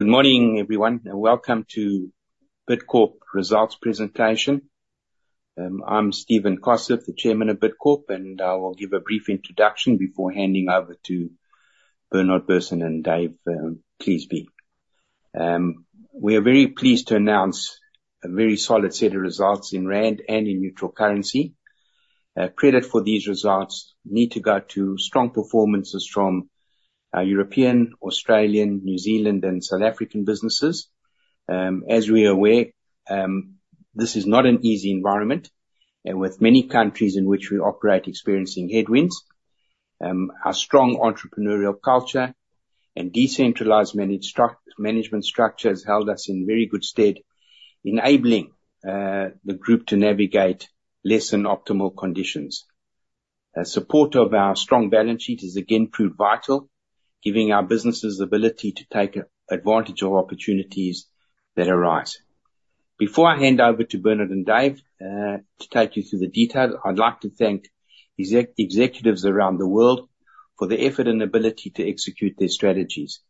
Good morning, everyone, and welcome to Bidcorp results presentation. I'm Stephen Koseff, the chairman of Bidcorp, and I will give a brief introduction before handing over to Bernard Berson and David Cleasby. We are very pleased to announce a very solid set of results in rand and in neutral currency. Credit for these results need to go to strong performances from our European, Australian, New Zealand, and South African businesses. As we are aware, this is not an easy environment, and with many countries in which we operate experiencing headwinds, our strong entrepreneurial culture and decentralized management structure has held us in very good stead, enabling the group to navigate less than optimal conditions. Support of our strong balance sheet has again proved vital, giving our businesses the ability to take advantage of opportunities that arise. Before I hand over to Bernard and Dave to take you through the details, I'd like to thank executives around the world for their effort and ability to execute their strategies,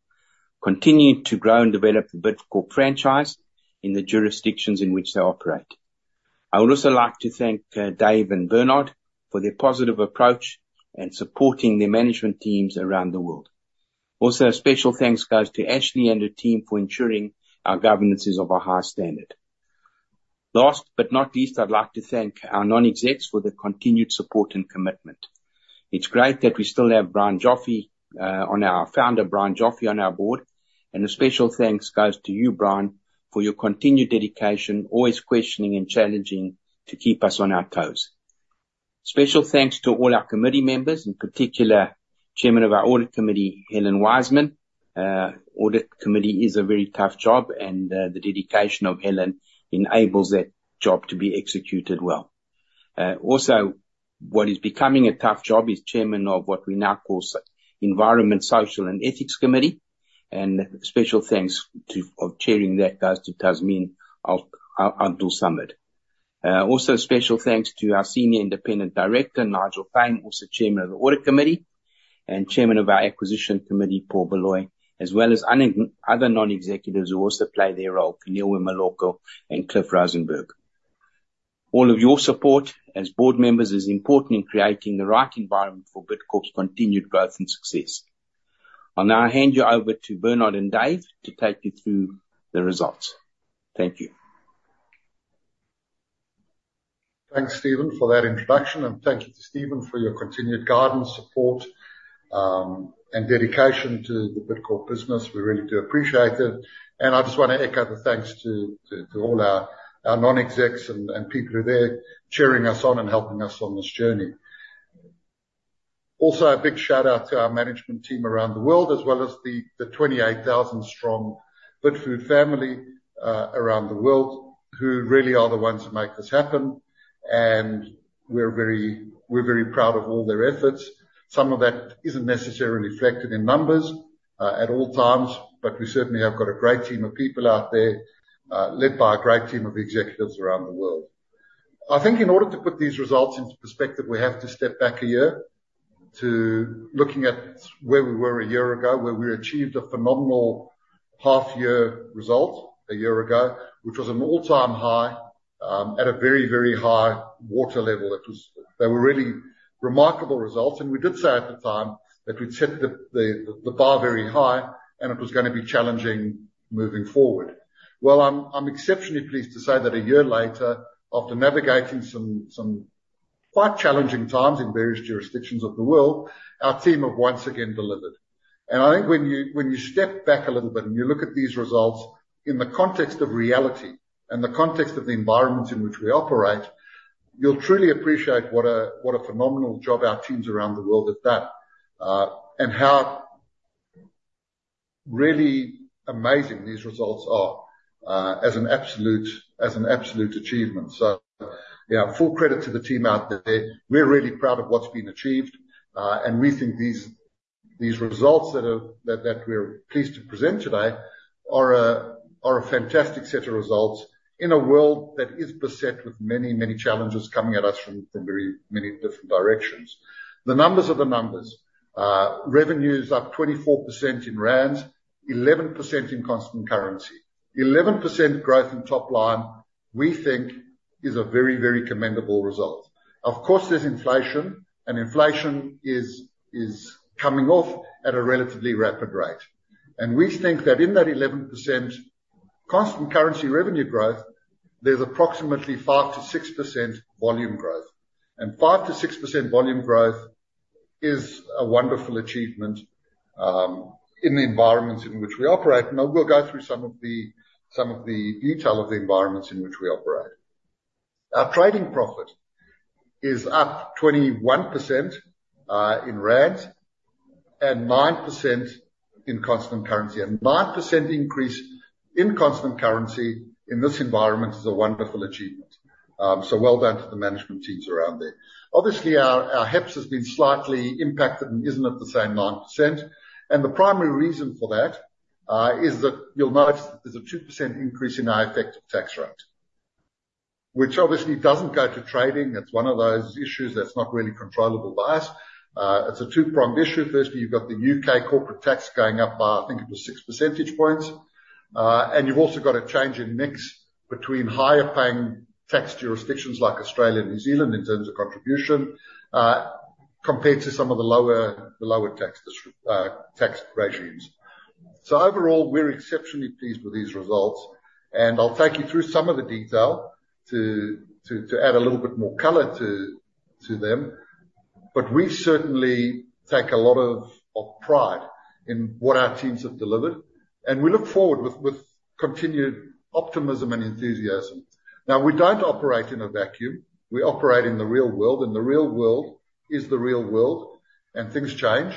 continuing to grow and develop the Bidcorp franchise in the jurisdictions in which they operate. I would also like to thank Dave and Bernard for their positive approach and supporting their management teams around the world. Also, a special thanks goes to Ashley and her team for ensuring our governance is of a high standard. Last but not least, I'd like to thank our non-execs for their continued support and commitment. It's great that we still have Brian Joffe, founder Brian Joffe, on our board, and a special thanks goes to you, Brian, for your continued dedication, always questioning and challenging to keep us on our toes. Special thanks to all our committee members, in particular, chairman of our audit committee, Helen Wiseman. Audit committee is a very tough job, and the dedication of Helen enables that job to be executed well. Also, what is becoming a tough job is chairman of what we now call Social, Environmental, and Ethics Committee, and special thanks to Tasneem Abdool-Samad for chairing that. Also, special thanks to our senior independent director, Nigel Payne, also chairman of the audit committee, and chairman of our acquisition committee, Paul Baloyi, as well as other non-executives who also play their role, Keneilwe Moloko and Cliff Rosenberg. All of your support as board members is important in creating the right environment for Bidcorp's continued growth and success. I'll now hand you over to Bernard and Dave to take you through the results. Thank you. Thanks, Stephen, for that introduction, and thank you to Stephen for your continued guidance, support, and dedication to the Bidcorp business. We really do appreciate it, and I just want to echo the thanks to all our non-execs and people who are there cheering us on and helping us on this journey. Also, a big shout-out to our management team around the world, as well as the 28,000 strong Bidfood family around the world, who really are the ones who make this happen, and we're very proud of all their efforts. Some of that isn't necessarily reflected in numbers at all times, but we certainly have got a great team of people out there led by a great team of executives around the world. I think in order to put these results into perspective, we have to step back a year to looking at where we were a year ago, where we achieved a phenomenal half-year result a year ago, which was an all-time high at a very, very high water level. They were really remarkable results, and we did say at the time that we'd set the bar very high, and it was gonna be challenging moving forward. Well, I'm exceptionally pleased to say that a year later, after navigating some quite challenging times in various jurisdictions of the world, our team have once again delivered. I think when you, when you step back a little bit, and you look at these results in the context of reality and the context of the environment in which we operate, you'll truly appreciate what a, what a phenomenal job our teams around the world have done, and how really amazing these results are, as an absolute, as an absolute achievement. So, yeah, full credit to the team out there. We're really proud of what's been achieved, and we think these, these results that are, that, that we're pleased to present today are a, are a fantastic set of results in a world that is beset with many, many challenges coming at us from, from very many different directions. The numbers are the numbers. Revenue is up 24% in rands, 11% in constant currency. 11% growth in top line, we think, is a very, very commendable result. Of course, there's inflation, and inflation is coming off at a relatively rapid rate. We think that in that 11% constant currency revenue growth, there's approximately 5%-6% volume growth, and 5%-6% volume growth is a wonderful achievement in the environments in which we operate. I will go through some of the detail of the environments in which we operate. Our trading profit is up 21% in Rand and 9% in constant currency, and 9% increase in constant currency in this environment is a wonderful achievement. So well done to the management teams around there. Obviously, our HEPS has been slightly impacted and isn't at the same 9%, and the primary reason for that is that you'll notice there's a 2% increase in our effective tax rate, which obviously doesn't go to trading. It's one of those issues that's not really controllable by us. It's a two-pronged issue. Firstly, you've got the U.K. corporate tax going up by, I think it was six percentage points. And you've also got a change in mix between higher paying tax jurisdictions like Australia and New Zealand in terms of contribution, compared to some of the lower tax regimes. So overall, we're exceptionally pleased with these results, and I'll take you through some of the detail to add a little bit more color to them. But we certainly take a lot of pride in what our teams have delivered, and we look forward with continued optimism and enthusiasm. Now, we don't operate in a vacuum. We operate in the real world, and the real world is the real world, and things change.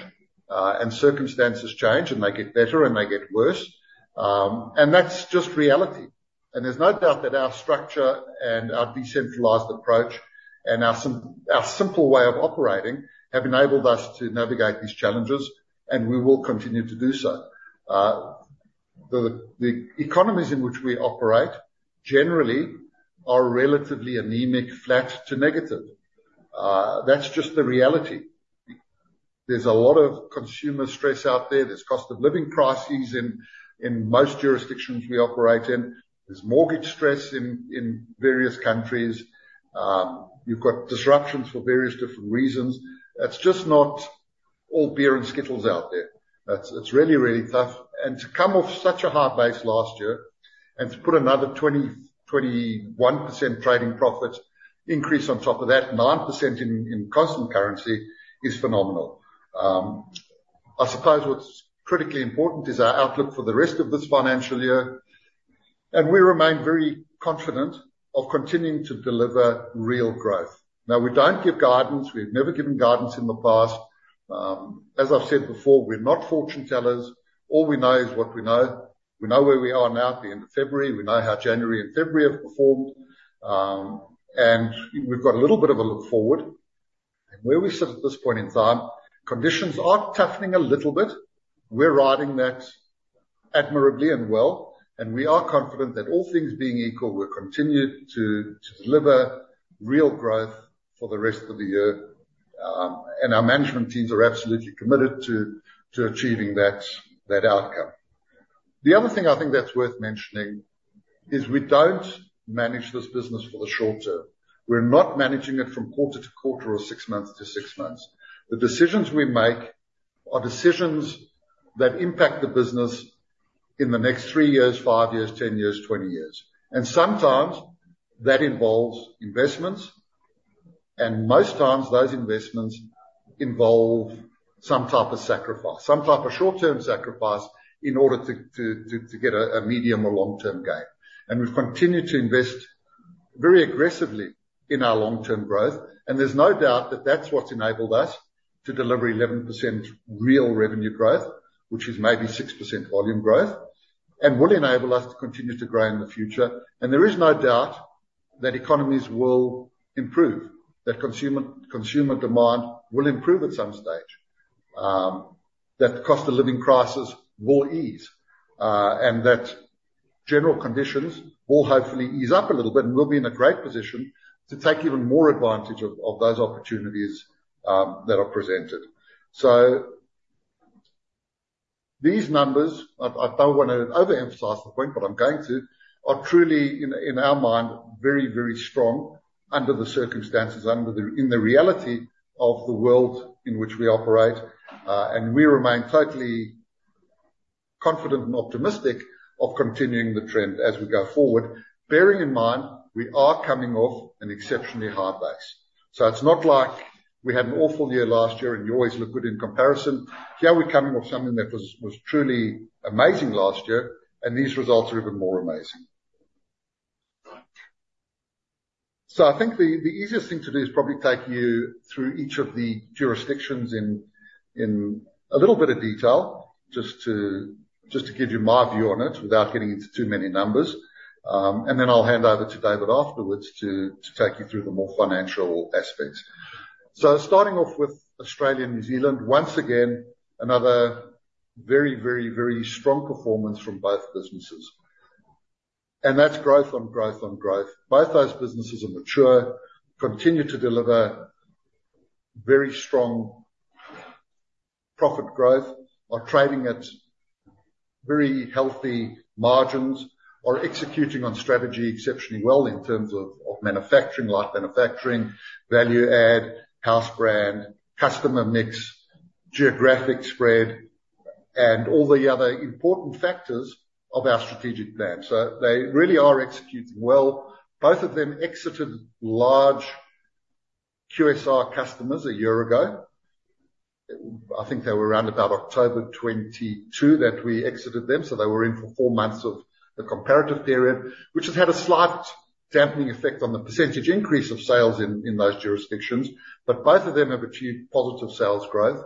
Circumstances change, and they get better, and they get worse. That's just reality. There's no doubt that our structure and our decentralized approach and our simple way of operating have enabled us to navigate these challenges, and we will continue to do so. The economies in which we operate generally are relatively anemic, flat to negative. That's just the reality. There's a lot of consumer stress out there. There's cost of living crises in most jurisdictions we operate in. There's mortgage stress in various countries. You've got disruptions for various different reasons. It's just not all beer and skittles out there. It's really, really tough, and to come off such a high base last year and to put another 21% trading profit increase on top of that, 9% in constant currency, is phenomenal. I suppose what's critically important is our outlook for the rest of this financial year, and we remain very confident of continuing to deliver real growth. Now, we don't give guidance. We've never given guidance in the past. As I've said before, we're not fortune tellers. All we know is what we know. We know where we are now, at the end of February. We know how January and February have performed. We've got a little bit of a look forward, and where we sit at this point in time, conditions are toughening a little bit. We're riding that admirably and well, and we are confident that all things being equal, we'll continue to deliver real growth for the rest of the year. Our management teams are absolutely committed to achieving that outcome. The other thing I think that's worth mentioning is we don't manage this business for the short term. We're not managing it from quarter to quarter or six months to six months. The decisions we make are decisions that impact the business in the next three years, five years, 10 years, 20 years. Sometimes that involves investments, and most times those investments involve some type of sacrifice, some type of short-term sacrifice, in order to get a medium or long-term gain. We've continued to invest very aggressively in our long-term growth, and there's no doubt that that's what's enabled us to deliver 11% real revenue growth, which is maybe 6% volume growth, and will enable us to continue to grow in the future. There is no doubt that economies will improve, that consumer demand will improve at some stage, that cost of living crisis will ease, and that general conditions will hopefully ease up a little bit, and we'll be in a great position to take even more advantage of those opportunities that are presented. So these numbers, I, I don't wanna overemphasize the point, but I'm going to, are truly in, in our mind, very, very strong under the circumstances, under the... in the reality of the world in which we operate. And we remain totally confident and optimistic of continuing the trend as we go forward, bearing in mind we are coming off an exceptionally high base. So it's not like we had an awful year last year, and you always look good in comparison. Here we're coming off something that was, was truly amazing last year, and these results are even more amazing. So I think the, the easiest thing to do is probably take you through each of the jurisdictions in, in a little bit of detail, just to, just to give you my view on it without getting into too many numbers. And then I'll hand over to David afterwards to take you through the more financial aspects. So starting off with Australia and New Zealand, once again, another very, very, very strong performance from both businesses. And that's growth on growth on growth. Both those businesses are mature, continue to deliver very strong profit growth, are trading at very healthy margins, are executing on strategy exceptionally well in terms of manufacturing, light manufacturing, value add, house brand, customer mix, geographic spread, and all the other important factors of our strategic plan. So they really are executing well. Both of them exited large QSR customers a year ago. I think they were around about October 2022 that we exited them, so they were in for four months of the comparative period, which has had a slight dampening effect on the percentage increase of sales in those jurisdictions. But both of them have achieved positive sales growth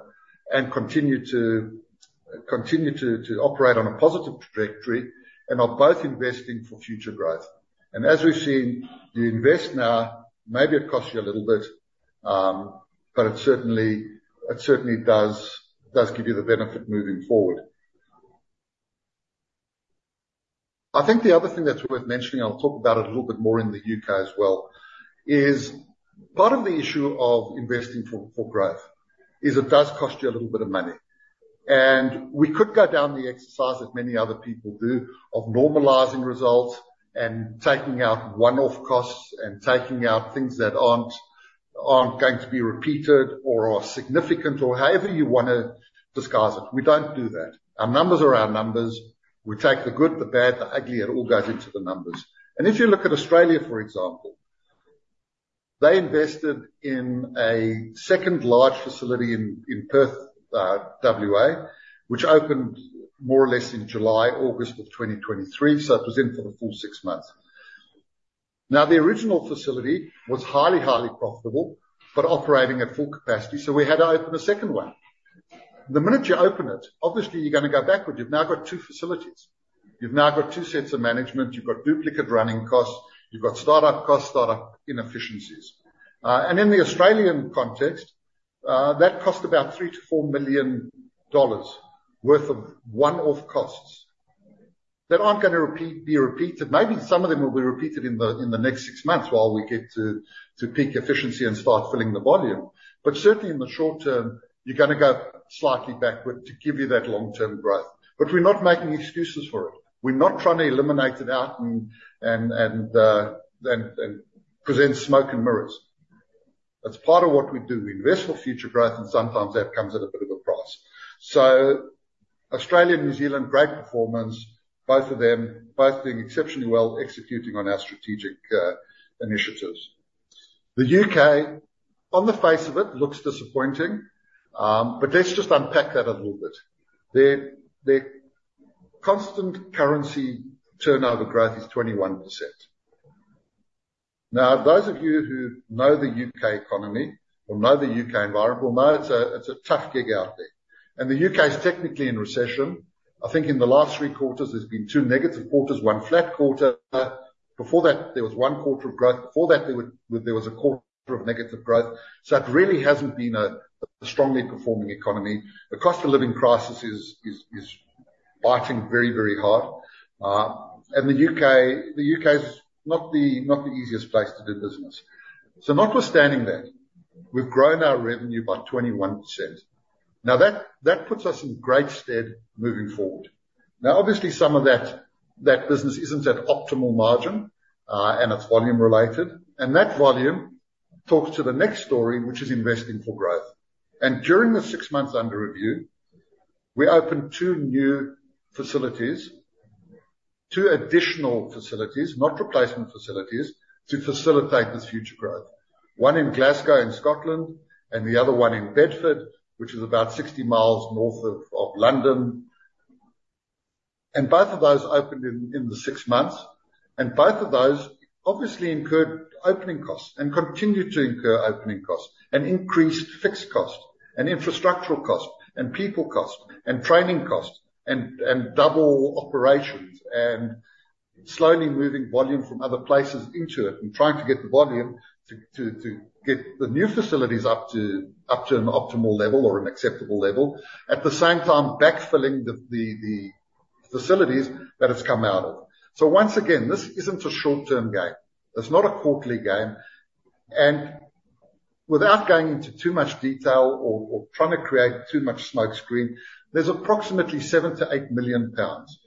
and continue to operate on a positive trajectory and are both investing for future growth. And as we've seen, you invest now, maybe it costs you a little bit, but it certainly does give you the benefit moving forward. I think the other thing that's worth mentioning, I'll talk about it a little bit more in the U.K. as well, is part of the issue of investing for growth is it does cost you a little bit of money. And we could go down the exercise, as many other people do, of normalizing results and taking out one-off costs and taking out things that aren't going to be repeated or are significant or however you wanna disguise it. We don't do that. Our numbers are our numbers. We take the good, the bad, the ugly, it all goes into the numbers. And if you look at Australia, for example, they invested in a second large facility in Perth, WA, which opened more or less in July, August of 2023, so it was in for the full six months. Now, the original facility was highly, highly profitable, but operating at full capacity, so we had to open a second one. The minute you open it, obviously you're gonna go backward. You've now got two facilities. You've now got two sets of management, you've got duplicate running costs, you've got start-up costs, start-up inefficiencies. And in the Australian context, that cost about 3 million-4 million dollars worth of one-off costs that aren't gonna be repeated. Maybe some of them will be repeated in the next six months while we get to peak efficiency and start filling the volume. But certainly in the short term, you're gonna go slightly backward to give you that long-term growth. But we're not making excuses for it. We're not trying to eliminate it out and present smoke and mirrors. That's part of what we do. We invest for future growth, and sometimes that comes at a bit of a price. So Australia and New Zealand, great performance, both of them, both doing exceptionally well, executing on our strategic initiatives. The U.K., on the face of it, looks disappointing, but let's just unpack that a little bit. The Constant Currency turnover growth is 21%. Now, those of you who know the U.K. economy or know the U.K. environment will know it's a tough gig out there, and the U.K. is technically in recession. I think in the last three quarters, there's been two negative quarters, one flat quarter. Before that, there was one quarter of growth. Before that, there was a quarter of negative growth. So it really hasn't been a strongly performing economy. The cost of living crisis is biting very hard. And the U.K. is not the easiest place to do business. So notwithstanding that, we've grown our revenue by 21%. Now, that puts us in great stead moving forward. Now, obviously, some of that business isn't at optimal margin, and it's volume related. That volume talks to the next story, which is investing for growth. During the six months under review, we opened two new facilities, two additional facilities, not replacement facilities, to facilitate this future growth. One in Glasgow, in Scotland, and the other one in Bedford, which is about 60 mi north of London. Both of those opened in the six months, and both of those obviously incurred opening costs and continue to incur opening costs, and increased fixed costs and infrastructural costs and people costs and training costs and double operations, and slowly moving volume from other places into it and trying to get the volume to get the new facilities up to an optimal level or an acceptable level. At the same time, backfilling the facilities that it's come out of. So once again, this isn't a short-term game. It's not a quarterly game, and without going into too much detail or, or trying to create too much smokescreen, there's approximately 7 million-8 million pounds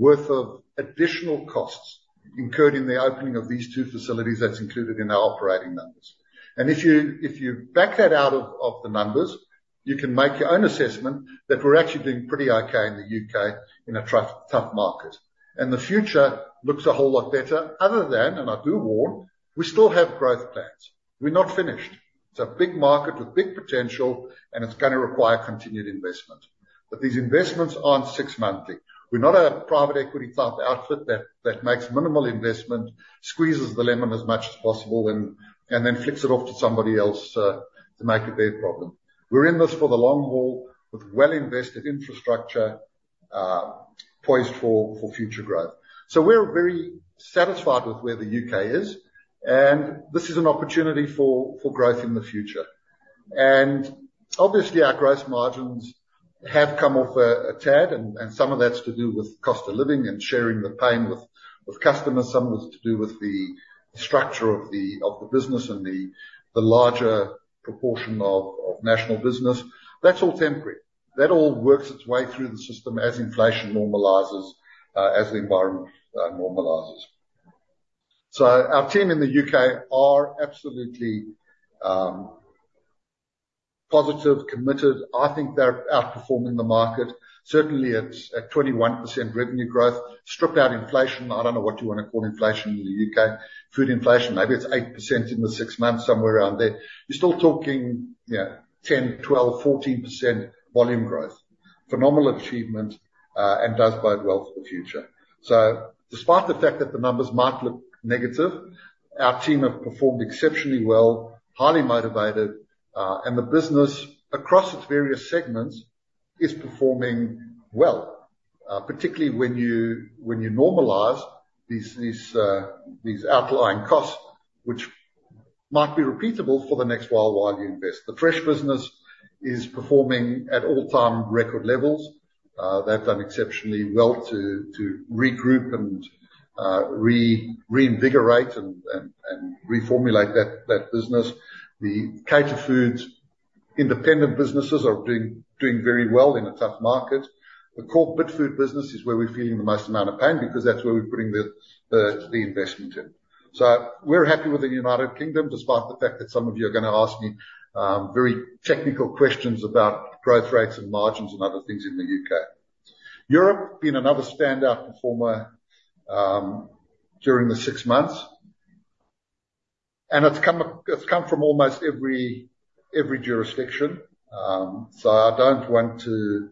worth of additional costs incurred in the opening of these two facilities that's included in our operating numbers. And if you, if you back that out of, of the numbers, you can make your own assessment that we're actually doing pretty okay in the U.K. in a tough, tough market. And the future looks a whole lot better other than, and I do warn, we still have growth plans. We're not finished. It's a big market with big potential, and it's gonna require continued investment. But these investments aren't six-monthly. We're not a private equity type outfit that makes minimal investment, squeezes the lemon as much as possible, and then flips it off to somebody else to make it their problem. We're in this for the long haul with well-invested infrastructure poised for future growth. So we're very satisfied with where the U.K. is, and this is an opportunity for growth in the future. And obviously, our growth margins have come off a tad, and some of that's to do with cost of living and sharing the pain with customers. Some was to do with the structure of the business and the larger proportion of national business. That's all temporary. That all works its way through the system as inflation normalizes, as the environment normalizes. So our team in the U.K. are absolutely positive, committed. I think they're outperforming the market, certainly at 21% revenue growth. Strip out inflation, I don't know what you wanna call inflation in the U.K. Food inflation, maybe it's 8% in the six months, somewhere around there. You're still talking, you know, 10%, 12%, 14% volume growth. Phenomenal achievement, and does bode well for the future. So despite the fact that the numbers might look negative, our team have performed exceptionally well, highly motivated, and the business across its various segments is performing well, particularly when you, when you normalize these, these outlying costs, which might be repeatable for the next while, while you invest. The fresh business is performing at all-time record levels. They've done exceptionally well to regroup and reinvigorate and reformulate that business. The catered foods, independent businesses are doing very well in a tough market. The core Bidfood business is where we're feeling the most amount of pain, because that's where we're putting the investment in. So we're happy with the United Kingdom, despite the fact that some of you are gonna ask me very technical questions about growth rates and margins and other things in the U.K. Europe, being another standout performer, during the six months, and it's come from almost every jurisdiction. So I don't want to,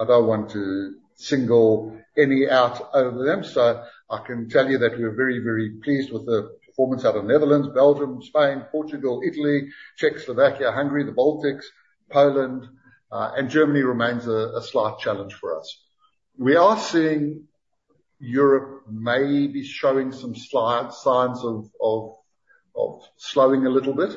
I don't want to single any out of them, so I can tell you that we are very, very pleased with the performance out of Netherlands, Belgium, Spain, Portugal, Italy, Czechoslovakia, Hungary, the Baltics, Poland, and Germany remains a slight challenge for us. We are seeing Europe maybe showing some slight signs of slowing a little bit.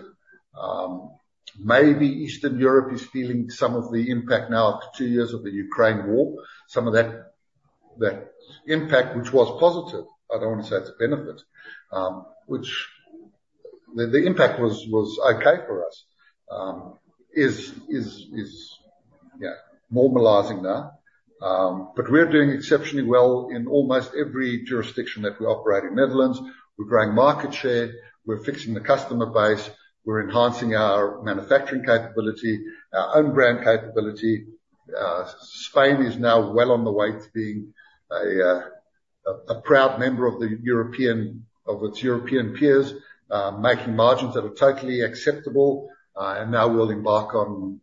Maybe Eastern Europe is feeling some of the impact now, after two years of the Ukraine war. Some of that impact, which was positive, I don't want to say it's a benefit, which the impact was okay for us, is yeah normalizing now. But we're doing exceptionally well in almost every jurisdiction that we operate. In Netherlands, we're growing market share, we're fixing the customer base, we're enhancing our manufacturing capability, our own brand capability. Spain is now well on the way to being a proud member of its European peers. Making margins that are totally acceptable, and now we'll embark on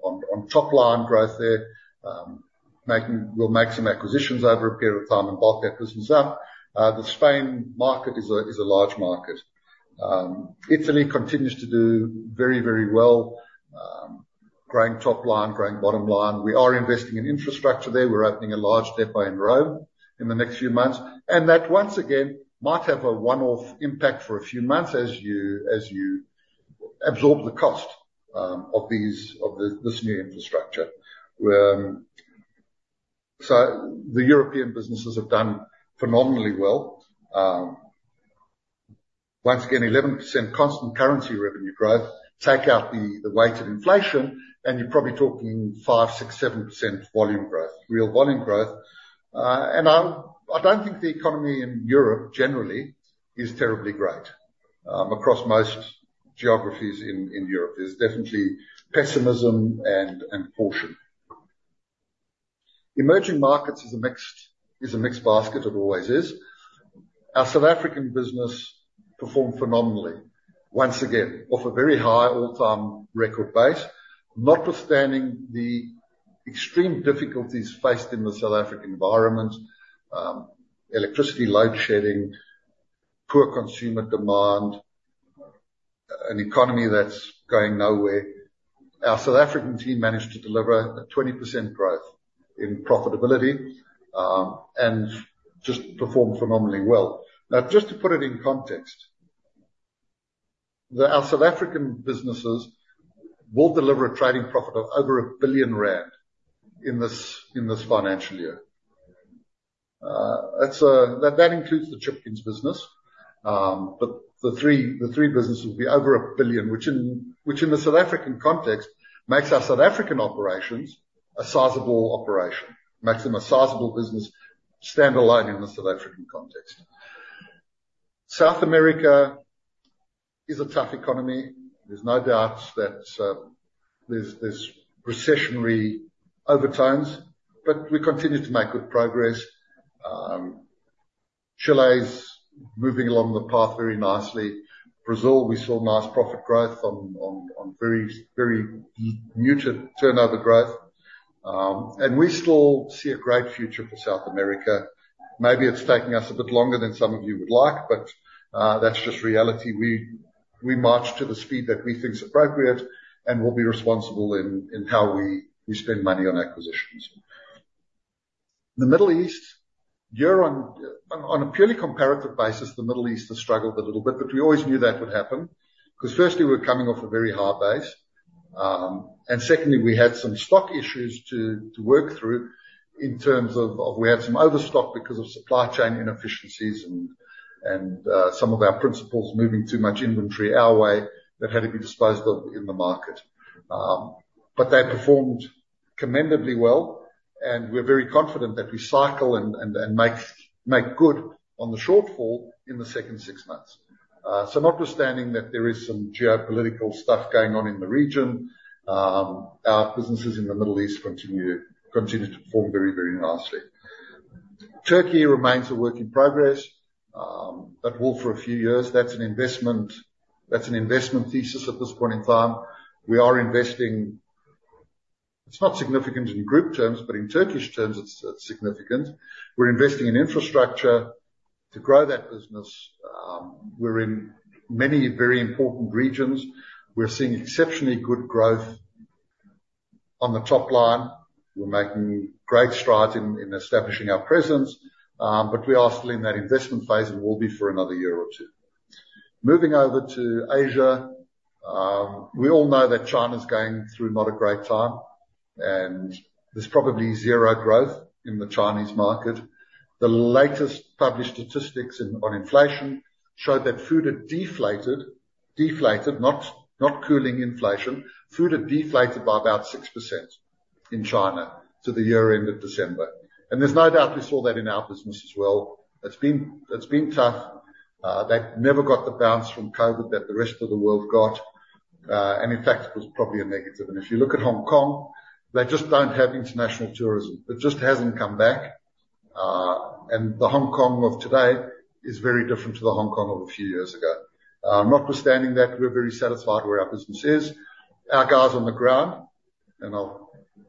top line growth there. We'll make some acquisitions over a period of time, and bulk that business up. The Spain market is a large market. Italy continues to do very, very well. Growing top line, growing bottom line. We are investing in infrastructure there. We're opening a large depot in Rome in the next few months, and that, once again, might have a one-off impact for a few months as you absorb the cost of this new infrastructure. So the European businesses have done phenomenally well. Once again, 11% constant currency revenue growth. Take out the weight of inflation, and you're probably talking 5%-7% volume growth, real volume growth. And I don't think the economy in Europe generally is terribly great. Across most geographies in Europe, there's definitely pessimism and caution. Emerging markets is a mixed basket, it always is. Our South African business performed phenomenally, once again, off a very high all-time record base, notwithstanding the extreme difficulties faced in the South African environment. Electricity, load shedding, poor consumer demand, an economy that's going nowhere. Our South African team managed to deliver a 20% growth in profitability, and just performed phenomenally well. Now, just to put it in context, the... Our South African businesses will deliver a trading profit of over 1 billion rand in this financial year. That's that includes the chickens business. But the three businesses will be over 1 billion, which in the South African context, makes our South African operations a sizable operation, makes them a sizable business, standalone in the South African context. South America is a tough economy. There's no doubt that there's this recessionary overtones, but we continue to make good progress. Chile is moving along the path very nicely. Brazil, we saw nice profit growth on very muted turnover growth. And we still see a great future for South America. Maybe it's taking us a bit longer than some of you would like, but that's just reality. We march to the speed that we think is appropriate, and we'll be responsible in how we spend money on acquisitions. The Middle East, on a purely comparative basis, the Middle East has struggled a little bit, but we always knew that would happen, 'cause firstly, we're coming off a very high base. And secondly, we had some stock issues to work through in terms of we had some overstock because of supply chain inefficiencies and some of our principals moving too much inventory our way, that had to be disposed of in the market. But they performed commendably well, and we're very confident that we cycle and make good on the shortfall in the second six months. So notwithstanding that there is some geopolitical stuff going on in the region, our businesses in the Middle East continue to perform very, very nicely. Turkey remains a work in progress, but will for a few years. That's an investment, that's an investment thesis at this point in time. We are investing. It's not significant in group terms, but in Turkish terms, it's significant. We're investing in infrastructure to grow that business. We're in many very important regions. We're seeing exceptionally good growth on the top line, we're making great strides in establishing our presence, but we are still in that investment phase and will be for another year or two. Moving over to Asia, we all know that China's going through not a great time, and there's probably zero growth in the Chinese market. The latest published statistics on inflation showed that food had deflated, not cooling inflation. Food had deflated by about 6% in China to the year end of December, and there's no doubt we saw that in our business as well. It's been tough. They've never got the bounce from COVID that the rest of the world got, and in fact, it was probably a negative. And if you look at Hong Kong, they just don't have international tourism. It just hasn't come back. And the Hong Kong of today is very different to the Hong Kong of a few years ago. Notwithstanding that, we're very satisfied where our business is. Our guys on the ground, they,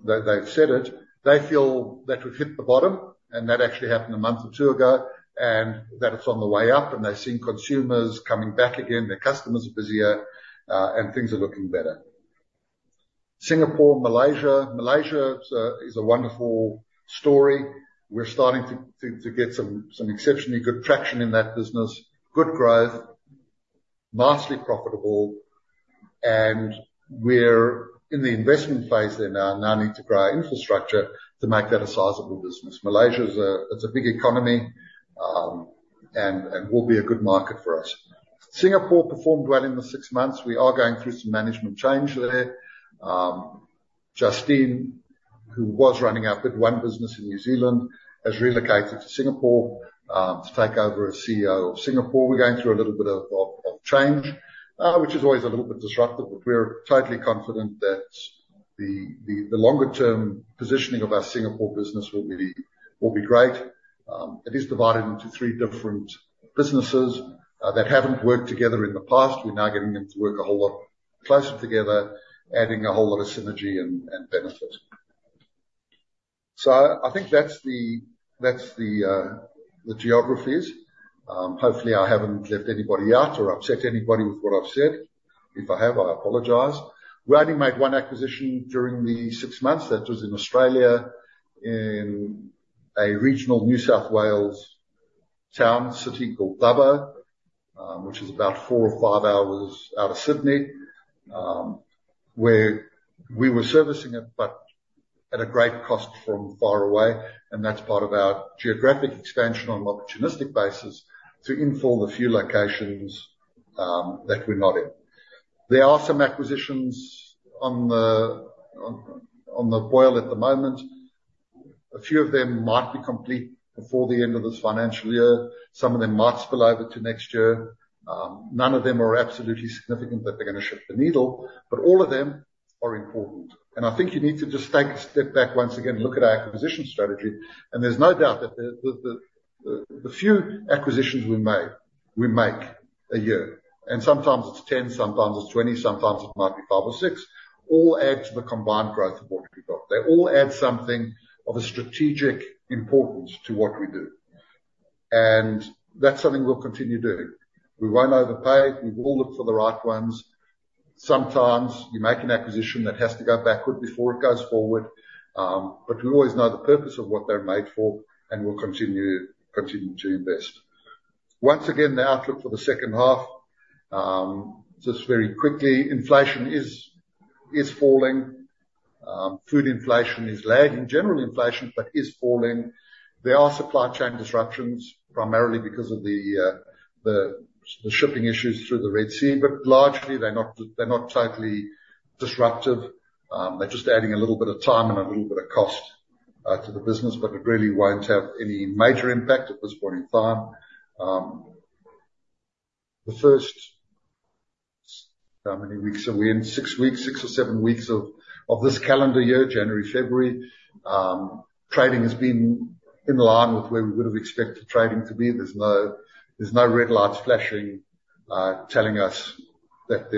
they've said it, they feel that we've hit the bottom, and that actually happened a month or two ago, and that it's on the way up, and they're seeing consumers coming back again. Their customers are busier, and things are looking better. Singapore, Malaysia. Malaysia is a wonderful story. We're starting to get some exceptionally good traction in that business. Good growth, nicely profitable, and we're in the investment phase there now. Now need to grow our infrastructure to make that a sizable business. Malaysia is a big economy, and will be a good market for us. Singapore performed well in the six months. We are going through some management change there. Justine, who was running our Bidfresh business in New Zealand, has relocated to Singapore, to take over as CEO of Singapore. We're going through a little bit of change, which is always a little bit disruptive, but we're totally confident that the longer-term positioning of our Singapore business will be great. It is divided into three different businesses, that haven't worked together in the past. We're now getting them to work a whole lot closer together, adding a whole lot of synergy and benefit. So I think that's the geographies. Hopefully, I haven't left anybody out or upset anybody with what I've said. If I have, I apologize. We only made one acquisition during the six months. That was in Australia, in a regional New South Wales town, city called Dubbo, which is about four or five hours out of Sydney, where we were servicing it, but at a great cost from far away, and that's part of our geographic expansion on an opportunistic basis to inform a few locations that we're not in. There are some acquisitions on the boil at the moment. A few of them might be complete before the end of this financial year. Some of them might spill over to next year. None of them are absolutely significant that they're gonna shift the needle, but all of them are important. I think you need to just take a step back once again, and look at our acquisition strategy. There's no doubt that the few acquisitions we make, we make a year, and sometimes it's 10, sometimes it's 20, sometimes it might be five or six, all add to the combined growth of what we've got. They all add something of a strategic importance to what we do, and that's something we'll continue doing. We won't overpay. We will look for the right ones. Sometimes you make an acquisition that has to go backward before it goes forward, but we always know the purpose of what they're made for, and we'll continue, continue to invest. Once again, the outlook for the second half, just very quickly, inflation is falling. Food inflation is lagging general inflation but is falling. There are supply chain disruptions, primarily because of the shipping issues through the Red Sea, but largely they're not totally disruptive. They're just adding a little bit of time and a little bit of cost to the business, but it really won't have any major impact at this point in time. The first... How many weeks are we in? six weeks, six or seven weeks of this calendar year, January, February, trading has been in line with where we would have expected trading to be. There's no red lights flashing, telling us that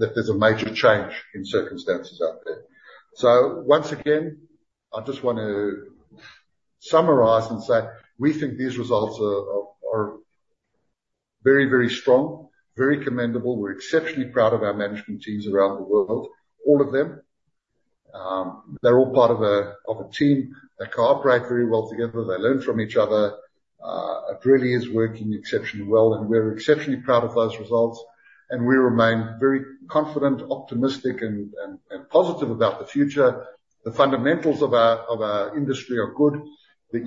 there's a major change in circumstances out there. So once again, I just want to summarize and say, we think these results are very, very strong, very commendable. We're exceptionally proud of our management teams around the world, all of them. They're all part of a team. They cooperate very well together. They learn from each other. It really is working exceptionally well, and we're exceptionally proud of those results, and we remain very confident, optimistic, and positive about the future. The fundamentals of our industry are good. The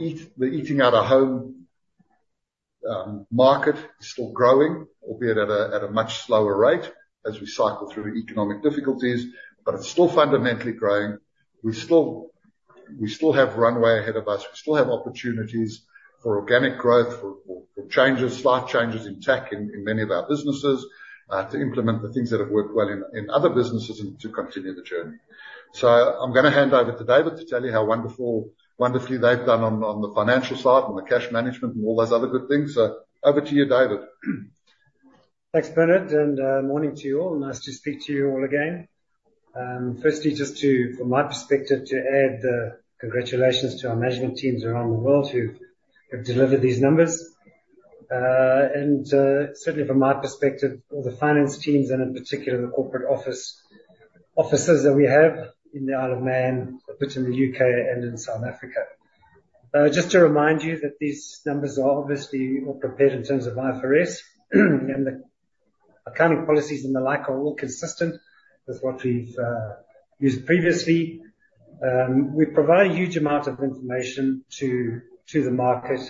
eating out of home market is still growing, albeit at a much slower rate as we cycle through economic difficulties, but it's still fundamentally growing. We still have runway ahead of us. We still have opportunities for organic growth, for slight changes in tech in many of our businesses, to implement the things that have worked well in other businesses and to continue the journey. So I'm gonna hand over to David to tell you how wonderful- wonderfully they've done on the financial side and the cash management and all those other good things. So over to you, David. Thanks, Bernard, and morning to you all. Nice to speak to you all again. Firstly, just to, from my perspective, to add, congratulations to our management teams around the world who have delivered these numbers. And certainly from my perspective, all the finance teams, and in particular, the corporate office, offices that we have in the Isle of Man, but in the U.K. and in South Africa. Just to remind you that these numbers are obviously all prepared in terms of IFRS, and the accounting policies and the like are all consistent with what we've used previously. We provide a huge amount of information to the market.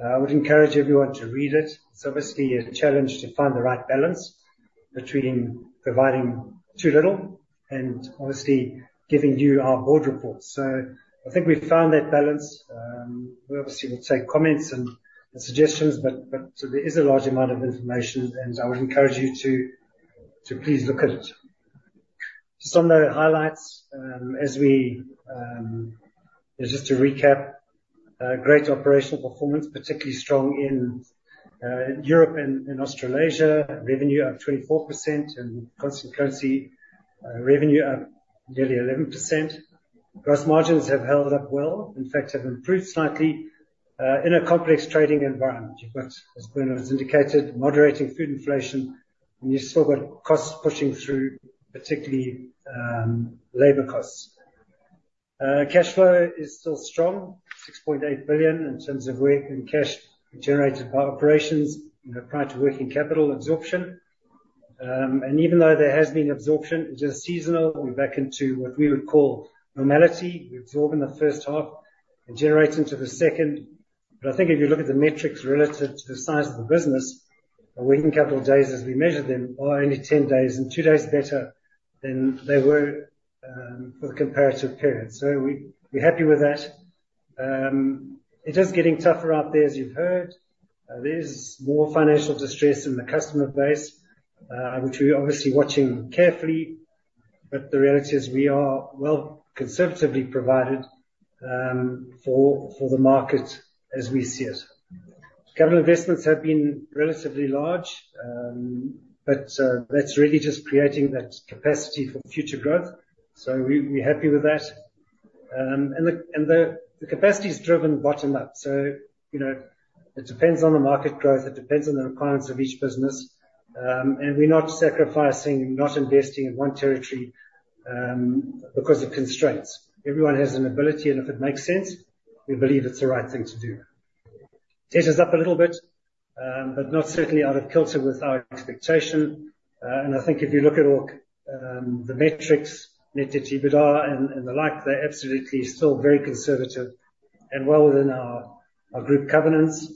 Would encourage everyone to read it. It's obviously a challenge to find the right balance between providing too little and obviously giving you our board report. So I think we've found that balance. We obviously will take comments and suggestions, but so there is a large amount of information, and I would encourage you to please look at it. Some of the highlights. Just to recap, great operational performance, particularly strong in Europe and Australasia. Revenue up 24%, and constant currency revenue up nearly 11%. Gross margins have held up well, in fact, have improved slightly, in a complex trading environment. You've got, as Bernard has indicated, moderating food inflation, and you've still got costs pushing through, particularly labor costs. Cash flow is still strong, 6.8 billion in terms of where in cash generated by operations, you know, prior to working capital absorption. Even though there has been absorption, just seasonal, we're back into what we would call normality. We absorb in the first half and generate into the second. But I think if you look at the metrics relative to the size of the business, our working capital days as we measure them, are only 10 days, and two days better than they were for the comparative period. So we're happy with that. It is getting tougher out there, as you've heard. There is more financial distress in the customer base, which we're obviously watching carefully. But the reality is, we are well conservatively provided for the market as we see it. Capital investments have been relatively large, but that's really just creating that capacity for future growth. So we're happy with that. And the capacity is driven bottom-up, so, you know, it depends on the market growth, it depends on the requirements of each business. And we're not sacrificing, not investing in one territory, because of constraints. Everyone has an ability, and if it makes sense, we believe it's the right thing to do. Debt is up a little bit, but not certainly out of kilter with our expectation. And I think if you look at all, the metrics, net debt to EBITDA and, and the like, they're absolutely still very conservative and well within our, our group covenants.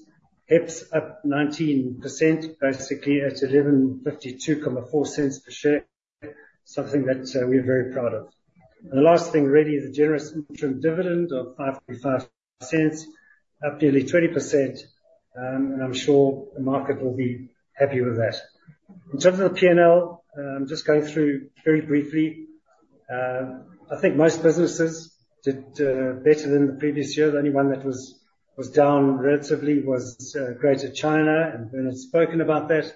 EPS up 19%, basically at 115.24 per share, something that, we're very proud of. The last thing, really, the generous interim dividend of 0.055, up nearly 20%, and I'm sure the market will be happy with that. In terms of the P&L, just going through very briefly, I think most businesses did better than the previous year. The only one that was down relatively was Greater China, and Bernard's spoken about that.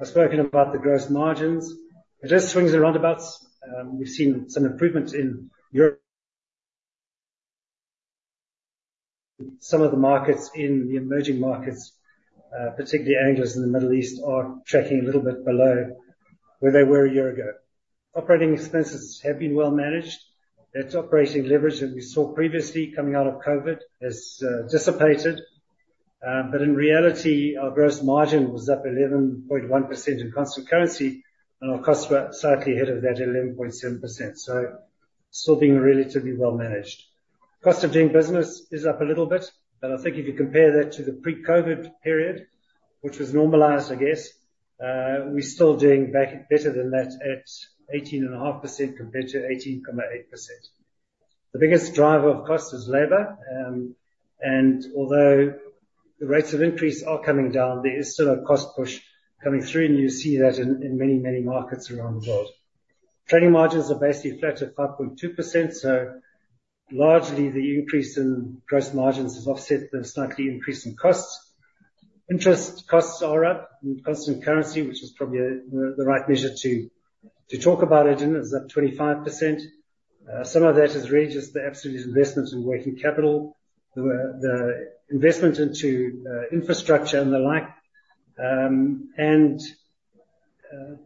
I've spoken about the gross margins. It is swings and roundabouts. We've seen some improvement in Europe. Some of the markets in the emerging markets, particularly Angliss in the Middle East, are tracking a little bit below where they were a year ago. Operating expenses have been well managed. That operating leverage that we saw previously coming out of COVID has dissipated. But in reality, our gross margin was up 11.1% in constant currency, and our costs were slightly ahead of that, 11.7%, so still being relatively well managed. Cost of doing business is up a little bit, but I think if you compare that to the pre-COVID period, which was normalized, I guess, we're still doing a bit better than that at 18.5% compared to 18.8%. The biggest driver of cost is labor. And although the rates of increase are coming down, there is still a cost push coming through, and you see that in many markets around the world. Trading margins are basically flat at 5.2%, so largely the increase in gross margins has offset the slight increase in costs. Interest costs are up in constant currency, which is probably the right measure to talk about it, and it's up 25%. Some of that is really just the absolute investments in working capital, the investment into infrastructure and the like, and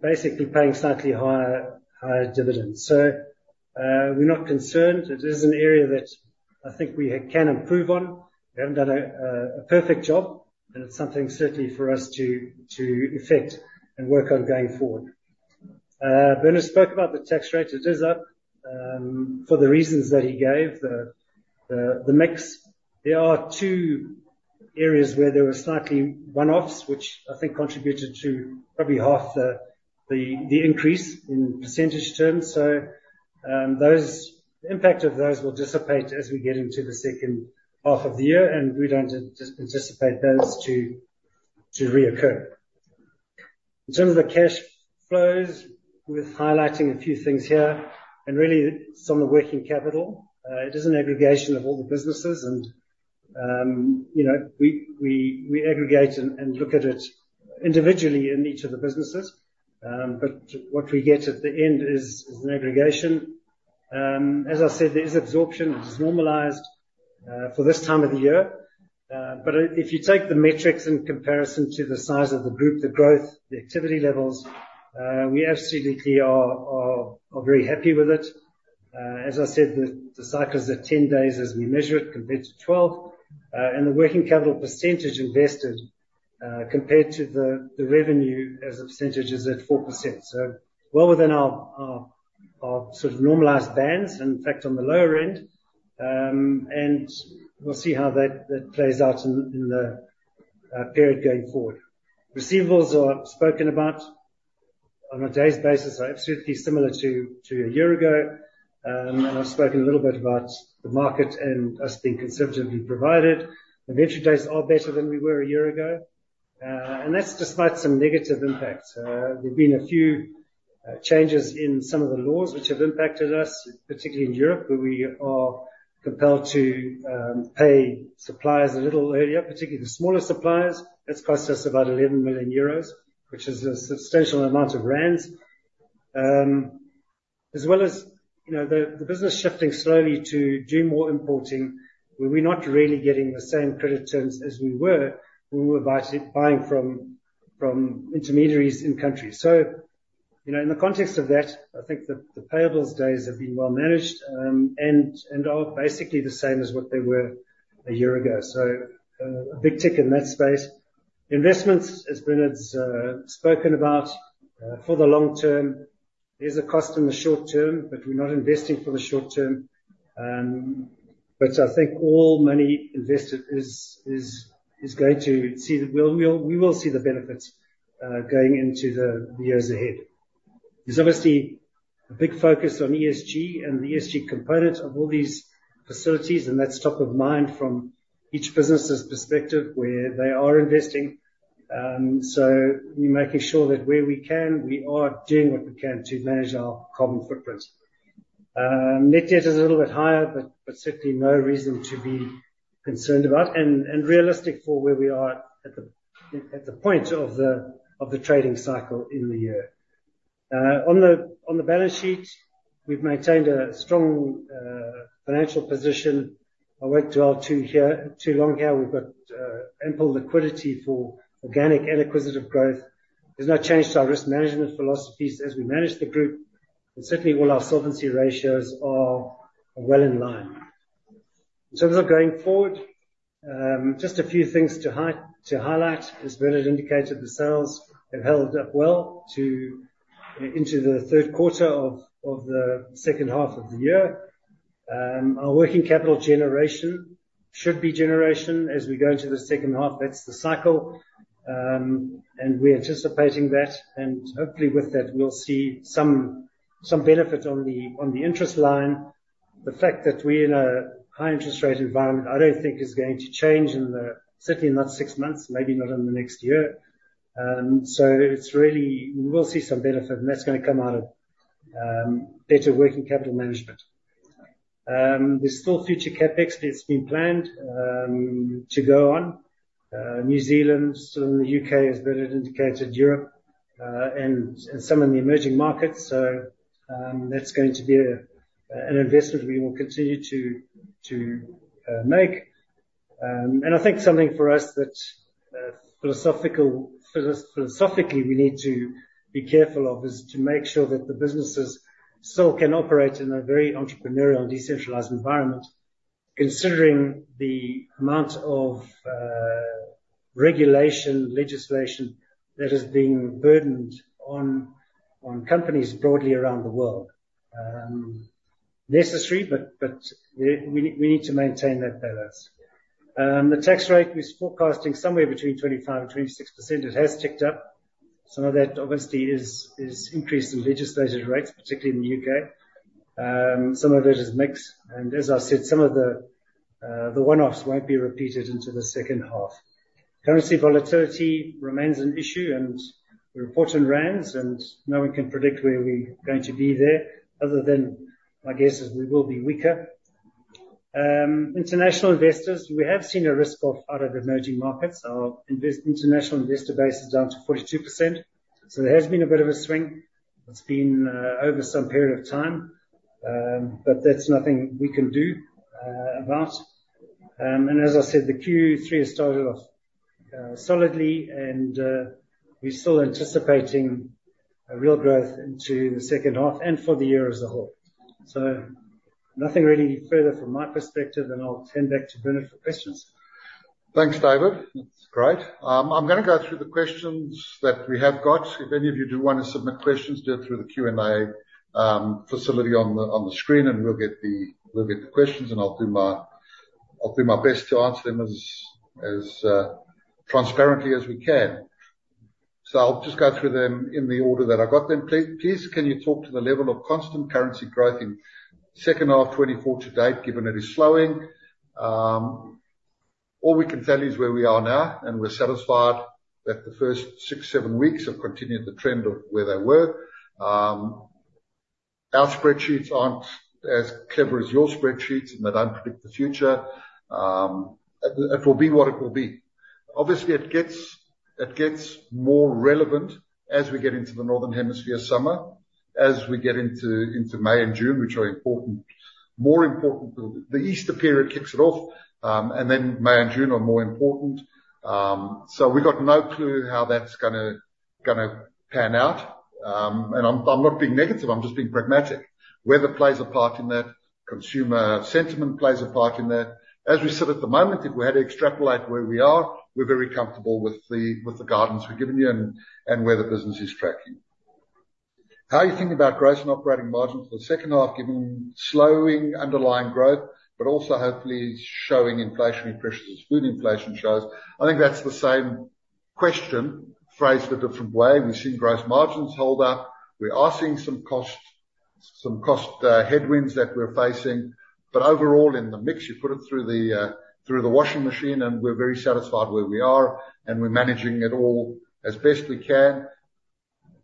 basically paying slightly higher dividends. So, we're not concerned. It is an area that I think we can improve on. We haven't done a perfect job, and it's something certainly for us to effect and work on going forward. Bernard spoke about the tax rate. It is up, for the reasons that he gave, the mix. There are two areas where there were slightly one-offs, which I think contributed to probably half the increase in percentage terms. So, those... The impact of those will dissipate as we get into the second half of the year, and we don't anticipate those to reoccur. In terms of the cash flows, worth highlighting a few things here, and really some of the working capital. It is an aggregation of all the businesses, and, you know, we aggregate and look at it individually in each of the businesses. But what we get at the end is an aggregation. As I said, there is absorption, which is normalized for this time of the year. But if you take the metrics in comparison to the size of the group, the growth, the activity levels, we absolutely are very happy with it. As I said, the cycle is at 10 days as we measure it, compared to 12. And the working capital percentage invested, compared to the revenue as a percentage, is at 4%. So well within our sort of normalized bands, in fact, on the lower end. And we'll see how that plays out in the period going forward. Receivables are spoken about on a days basis are absolutely similar to a year ago. And I've spoken a little bit about the market and us being conservatively provisioned. The vendor days are better than we were a year ago, and that's despite some negative impacts. There've been a few changes in some of the laws which have impacted us, particularly in Europe, where we are compelled to pay suppliers a little earlier, particularly the smaller suppliers. That's cost us about 11 million euros, which is a substantial amount of rands. As well as, you know, the business shifting slowly to do more importing, where we're not really getting the same credit terms as we were, when we were buying from intermediaries in country. So, you know, in the context of that, I think the payables days have been well managed, and are basically the same as what they were a year ago. So, a big tick in that space. Investments, as Bernard's spoken about, for the long term, there's a cost in the short term, but we're not investing for the short term. But I think all money invested is going to see... We will see the benefits, going into the years ahead. There's obviously a big focus on ESG, and the ESG component of all these facilities, and that's top of mind from each business's perspective, where they are investing. So we're making sure that where we can, we are doing what we can to manage our carbon footprint. Net debt is a little bit higher, but certainly no reason to be concerned about, and realistic for where we are at the point of the trading cycle in the year. On the balance sheet, we've maintained a strong financial position. I won't dwell too here, too long here. We've got ample liquidity for organic and acquisitive growth. There's no change to our risk management philosophies as we manage the group, and certainly all our solvency ratios are well in line. In terms of going forward, just a few things to highlight. As Bernard indicated, the sales have held up well into the third quarter of the second half of the year. Our working capital generation should be as we go into the second half, that's the cycle. And we're anticipating that, and hopefully with that, we'll see some benefit on the interest line. The fact that we're in a high interest rate environment, I don't think is going to change, certainly not six months, maybe not in the next year. So it's really... We'll see some benefit, and that's gonna come out of better working capital management. There's still future CapEx that's been planned to go on. New Zealand, some in the U.K., as Bernard indicated, Europe, and some in the emerging markets. So, that's going to be a an investment we will continue to to make. And I think something for us that, philosophically we need to be careful of, is to make sure that the businesses still can operate in a very entrepreneurial and decentralized environment, considering the amount of regulation, legislation that is being burdened on companies broadly around the world. Necessary, but we need to maintain that balance. The tax rate, we're forecasting somewhere between 25%-26%. It has ticked up. Some of that obviously is increase in legislative rates, particularly in the U.K. Some of it is mix, and as I said, some of the one-offs won't be repeated into the second half. Currency volatility remains an issue, and we report in rand, and no one can predict where we're going to be there, other than my guess is we will be weaker. International investors, we have seen a risk-off out of the emerging markets. Our international investor base is down to 42%, so there has been a bit of a swing. It's been over some period of time, but that's nothing we can do about. And as I said, the Q3 has started off solidly, and we're still anticipating a real growth into the second half, and for the year as a whole. So nothing really further from my perspective, and I'll turn back to Bernard for questions. Thanks, David. That's great. I'm gonna go through the questions that we have got. If any of you do wanna submit questions, do it through the Q&A facility on the screen, and we'll get the questions, and I'll do my best to answer them as transparently as we can. So I'll just go through them in the order that I've got them. Please, can you talk to the level of constant currency growth in second half 2024 to date, given that it's slowing? All we can tell you is where we are now, and we're satisfied that the first six, seven weeks have continued the trend of where they were. Our spreadsheets aren't as clever as your spreadsheets, and they don't predict the future. It will be what it will be... Obviously, it gets more relevant as we get into the Northern Hemisphere summer, as we get into May and June, which are important, more important. The Easter period kicks it off, and then May and June are more important. So we've got no clue how that's gonna pan out. And I'm not being negative, I'm just being pragmatic. Weather plays a part in that. Consumer sentiment plays a part in that. As we sit at the moment, if we had to extrapolate where we are, we're very comfortable with the guidance we've given you and where the business is tracking. How are you thinking about gross and operating margins for the second half, given slowing underlying growth, but also hopefully showing inflationary pressures as food inflation shows? I think that's the same question phrased a different way. We've seen gross margins hold up. We are seeing some cost, some cost, headwinds that we're facing, but overall in the mix, you put it through the, through the washing machine, and we're very satisfied where we are, and we're managing it all as best we can.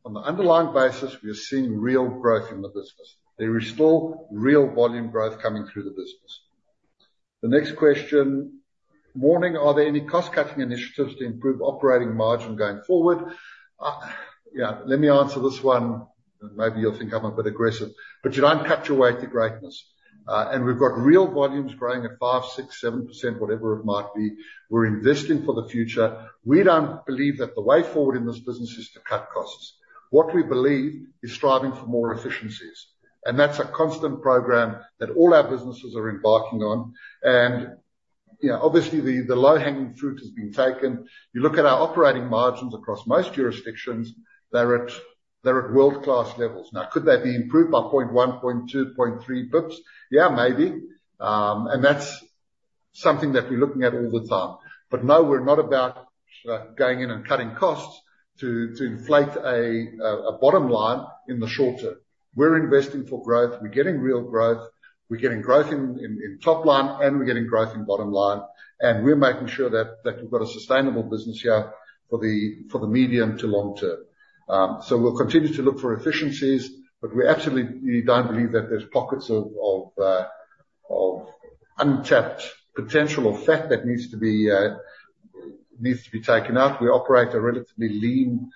On the underlying basis, we are seeing real growth in the business. There is still real volume growth coming through the business. The next question: Morning. Are there any cost-cutting initiatives to improve operating margin going forward? Yeah, let me answer this one, and maybe you'll think I'm a bit aggressive, but you don't cut your way to greatness. And we've got real volumes growing at 5%, 6%, 7%, whatever it might be. We're investing for the future. We don't believe that the way forward in this business is to cut costs. What we believe is striving for more efficiencies, and that's a constant program that all our businesses are embarking on. And, you know, obviously, the low-hanging fruit has been taken. You look at our operating margins across most jurisdictions, they're at world-class levels. Now, could they be improved by 0.1, 0.2, 0.3 basis points? Yeah, maybe. And that's something that we're looking at all the time. But no, we're not about going in and cutting costs to inflate a bottom line in the short term. We're investing for growth. We're getting real growth. We're getting growth in top line, and we're getting growth in bottom line, and we're making sure that we've got a sustainable business here for the medium to long term. So we'll continue to look for efficiencies, but we absolutely don't believe that there's pockets of untapped potential or fat that needs to be taken out. We operate a relatively lean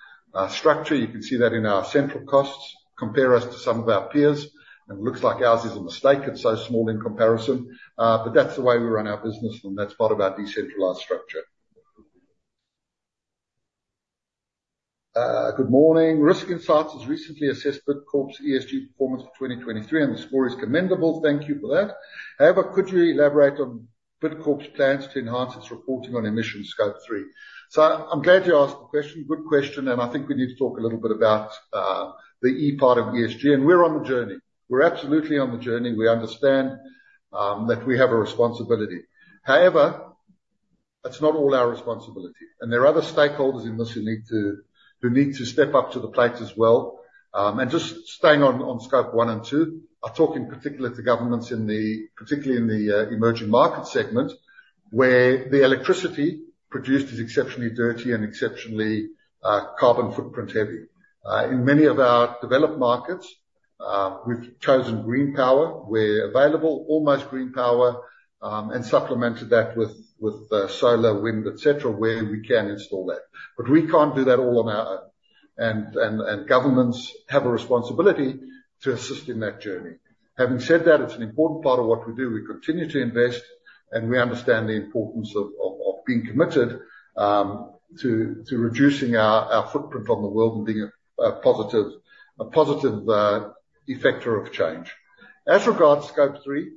structure. You can see that in our central costs. Compare us to some of our peers, and it looks like ours is a mistake. It's so small in comparison, but that's the way we run our business, and that's part of our decentralized structure. Good morning. Risk Insights has recently assessed Bidcorp's ESG performance for 2023, and the score is commendable. Thank you for that. However, could you elaborate on Bidcorp's plans to enhance its reporting on emission Scope 3? So I'm glad you asked the question, good question, and I think we need to talk a little bit about the E part of ESG, and we're on the journey. We're absolutely on the journey. We understand that we have a responsibility. However, it's not all our responsibility, and there are other stakeholders in this who need to step up to the plate as well. And just staying on Scope 1 and 2, I talk in particular to governments, particularly in the emerging market segment, where the electricity produced is exceptionally dirty and exceptionally carbon footprint heavy. In many of our developed markets, we've chosen green power where available, almost green power, and supplemented that with solar, wind, et cetera, where we can install that. But we can't do that all on our own, and governments have a responsibility to assist in that journey. Having said that, it's an important part of what we do. We continue to invest, and we understand the importance of being committed to reducing our footprint on the world and being a positive effector of change. As regards Scope 3,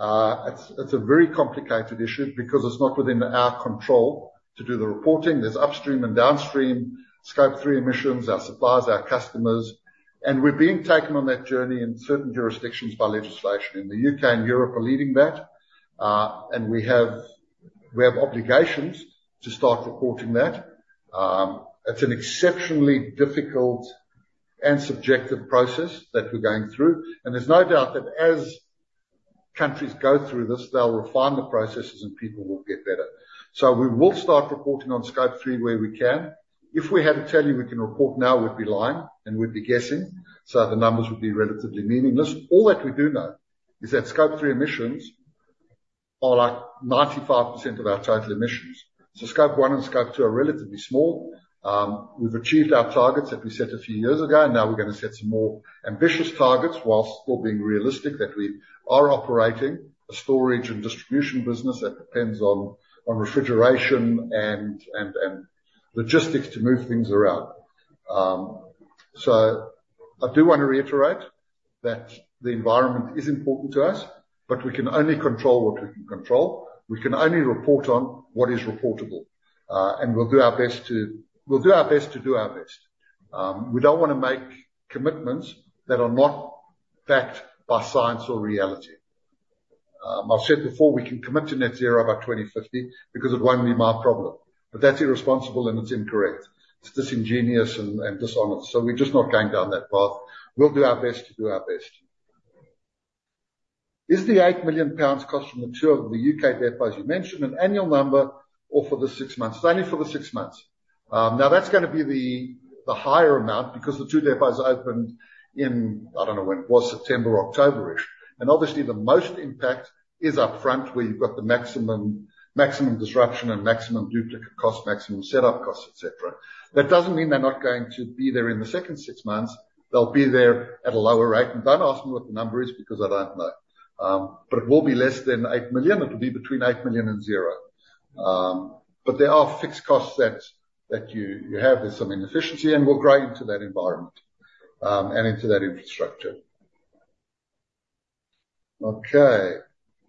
it's a very complicated issue because it's not within our control to do the reporting. There's upstream and downstream Scope 3 emissions, our suppliers, our customers, and we're being taken on that journey in certain jurisdictions by legislation. In the U.K. and Europe are leading that, and we have obligations to start reporting that. It's an exceptionally difficult and subjective process that we're going through, and there's no doubt that as countries go through this, they'll refine the processes, and people will get better. So we will start reporting on Scope 3 where we can. If we had to tell you we can report now, we'd be lying, and we'd be guessing, so the numbers would be relatively meaningless. All that we do know is that Scope 3 emissions are, like, 95% of our total emissions. So Scope 1 and Scope 2 are relatively small. We've achieved our targets that we set a few years ago, and now we're gonna set some more ambitious targets, while still being realistic that we are operating a storage and distribution business that depends on refrigeration and logistics to move things around. So I do want to reiterate that the environment is important to us, but we can only control what we can control. We can only report on what is reportable. We'll do our best to do our best. We don't wanna make commitments that are not backed by science or reality. I've said before, we can commit to net zero by 2050 because it won't be my problem, but that's irresponsible, and it's incorrect. It's disingenuous and dishonest, so we're just not going down that path. We'll do our best to do our best. Is the 8 million pounds cost from the two of the U.K. depots you mentioned an annual number, or for the six months? It's only for the six months. Now that's gonna be the higher amount, because the two depots opened in, I don't know when it was, September or October-ish. Obviously, the most impact is up front, where you've got the maximum disruption and maximum duplicate cost, maximum setup costs, et cetera. That doesn't mean they're not going to be there in the second six months. They'll be there at a lower rate, and don't ask me what the number is, because I don't know. But it will be less than 8 million. It'll be between 8 million and zero. But there are fixed costs that you have. There's some inefficiency, and we'll grow into that environment and into that infrastructure. Okay.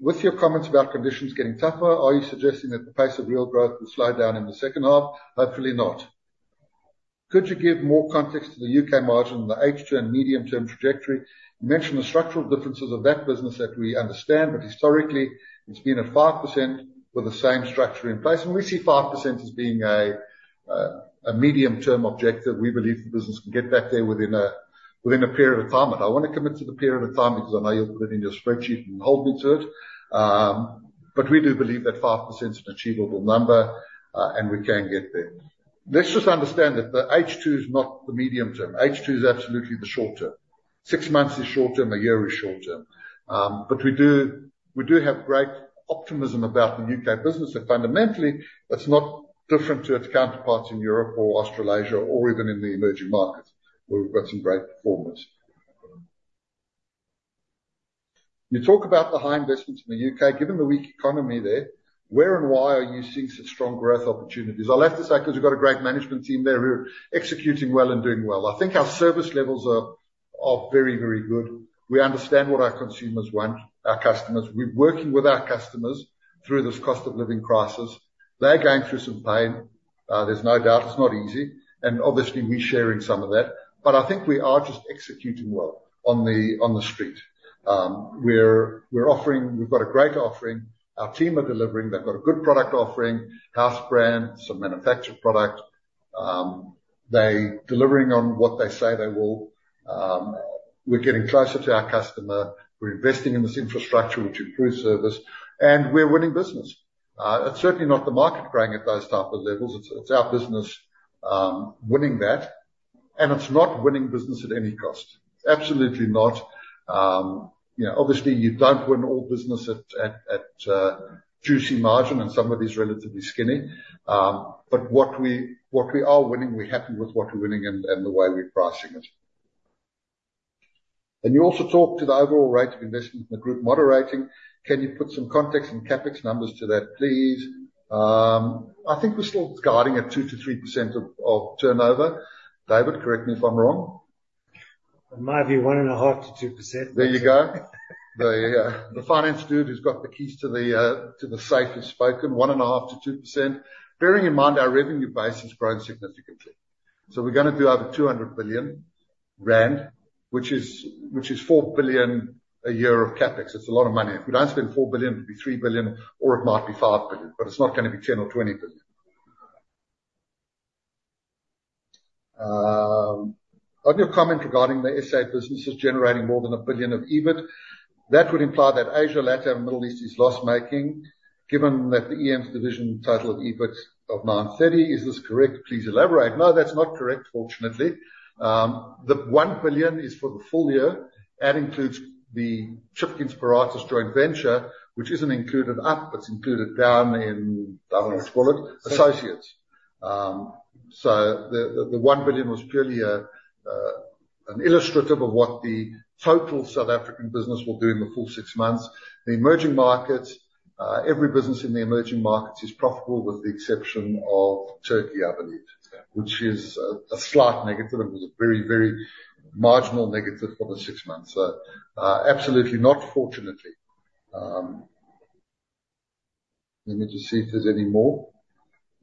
With your comments about conditions getting tougher, are you suggesting that the pace of real growth will slow down in the second half? Hopefully not. Could you give more context to the U.K. margin and the H2 and medium term trajectory? You mentioned the structural differences of that business that we understand, but historically, it's been a 5% with the same structure in place, and we see 5% as being a medium term objective. We believe the business can get back there within a period of time, but I don't want to commit to the period of time, because I know you'll put it in your spreadsheet and hold me to it. But we do believe that 5% is an achievable number, and we can get there. Let's just understand that the H2 is not the medium term. H2 is absolutely the short term. Six months is short term, a year is short term. But we do, we do have great optimism about the U.K. business, that fundamentally it's not different to its counterparts in Europe or Australasia, or even in the emerging markets, where we've got some great performers. You talk about the high investments in the U.K. Given the weak economy there, where and why are you seeing such strong growth opportunities? I'll have to say, 'cause we've got a great management team there, who are executing well and doing well. I think our service levels are very, very good. We understand what our consumers want, our customers. We're working with our customers through this cost of living crisis. They're going through some pain. There's no doubt, it's not easy, and obviously we're sharing some of that. But I think we are just executing well on the street. We're offering... We've got a great offering. Our team are delivering. They've got a good product offering, house brand, some manufactured product. They delivering on what they say they will. We're getting closer to our customer. We're investing in this infrastructure, which improves service, and we're winning business. It's certainly not the market growing at those type of levels, it's our business winning that. And it's not winning business at any cost. Absolutely not. You know, obviously you don't win all business at juicy margin, and some of it is relatively skinny. But what we are winning, we're happy with what we're winning and the way we're pricing it. And you also talked to the overall rate of investment in the group moderating. Can you put some context and CapEx numbers to that, please? I think we're still guiding at 2%-3% of, of turnover. David, correct me if I'm wrong? It might be 1.5%-2%. There you go. The finance dude who's got the keys to the safe has spoken. 1.5%-2%. Bearing in mind, our revenue base has grown significantly, so we're gonna do over 200 billion rand, which is 4 billion a year of CapEx. It's a lot of money. If we don't spend 4 billion, it'll be 3 billion, or it might be 5 billion, but it's not gonna be 10 billion or 20 billion. On your comment regarding the SA business is generating more than 1 billion of EBIT, that would imply that Asia, LatAm, Middle East is loss-making, given that the EMs division total of EBIT of 930. Is this correct? Please elaborate. No, that's not correct, fortunately. The 1 billion is for the full year. That includes the Chicken Sparta joint venture, which isn't included up, it's included down in... What's it called? Associates. So the 1 billion was purely an illustrative of what the total South African business will do in the full six months. The emerging markets, every business in the emerging markets is profitable, with the exception of Turkey, I believe. Which is a slight negative. It was a very marginal negative for the six months. So, absolutely not, fortunately. Let me just see if there's any more.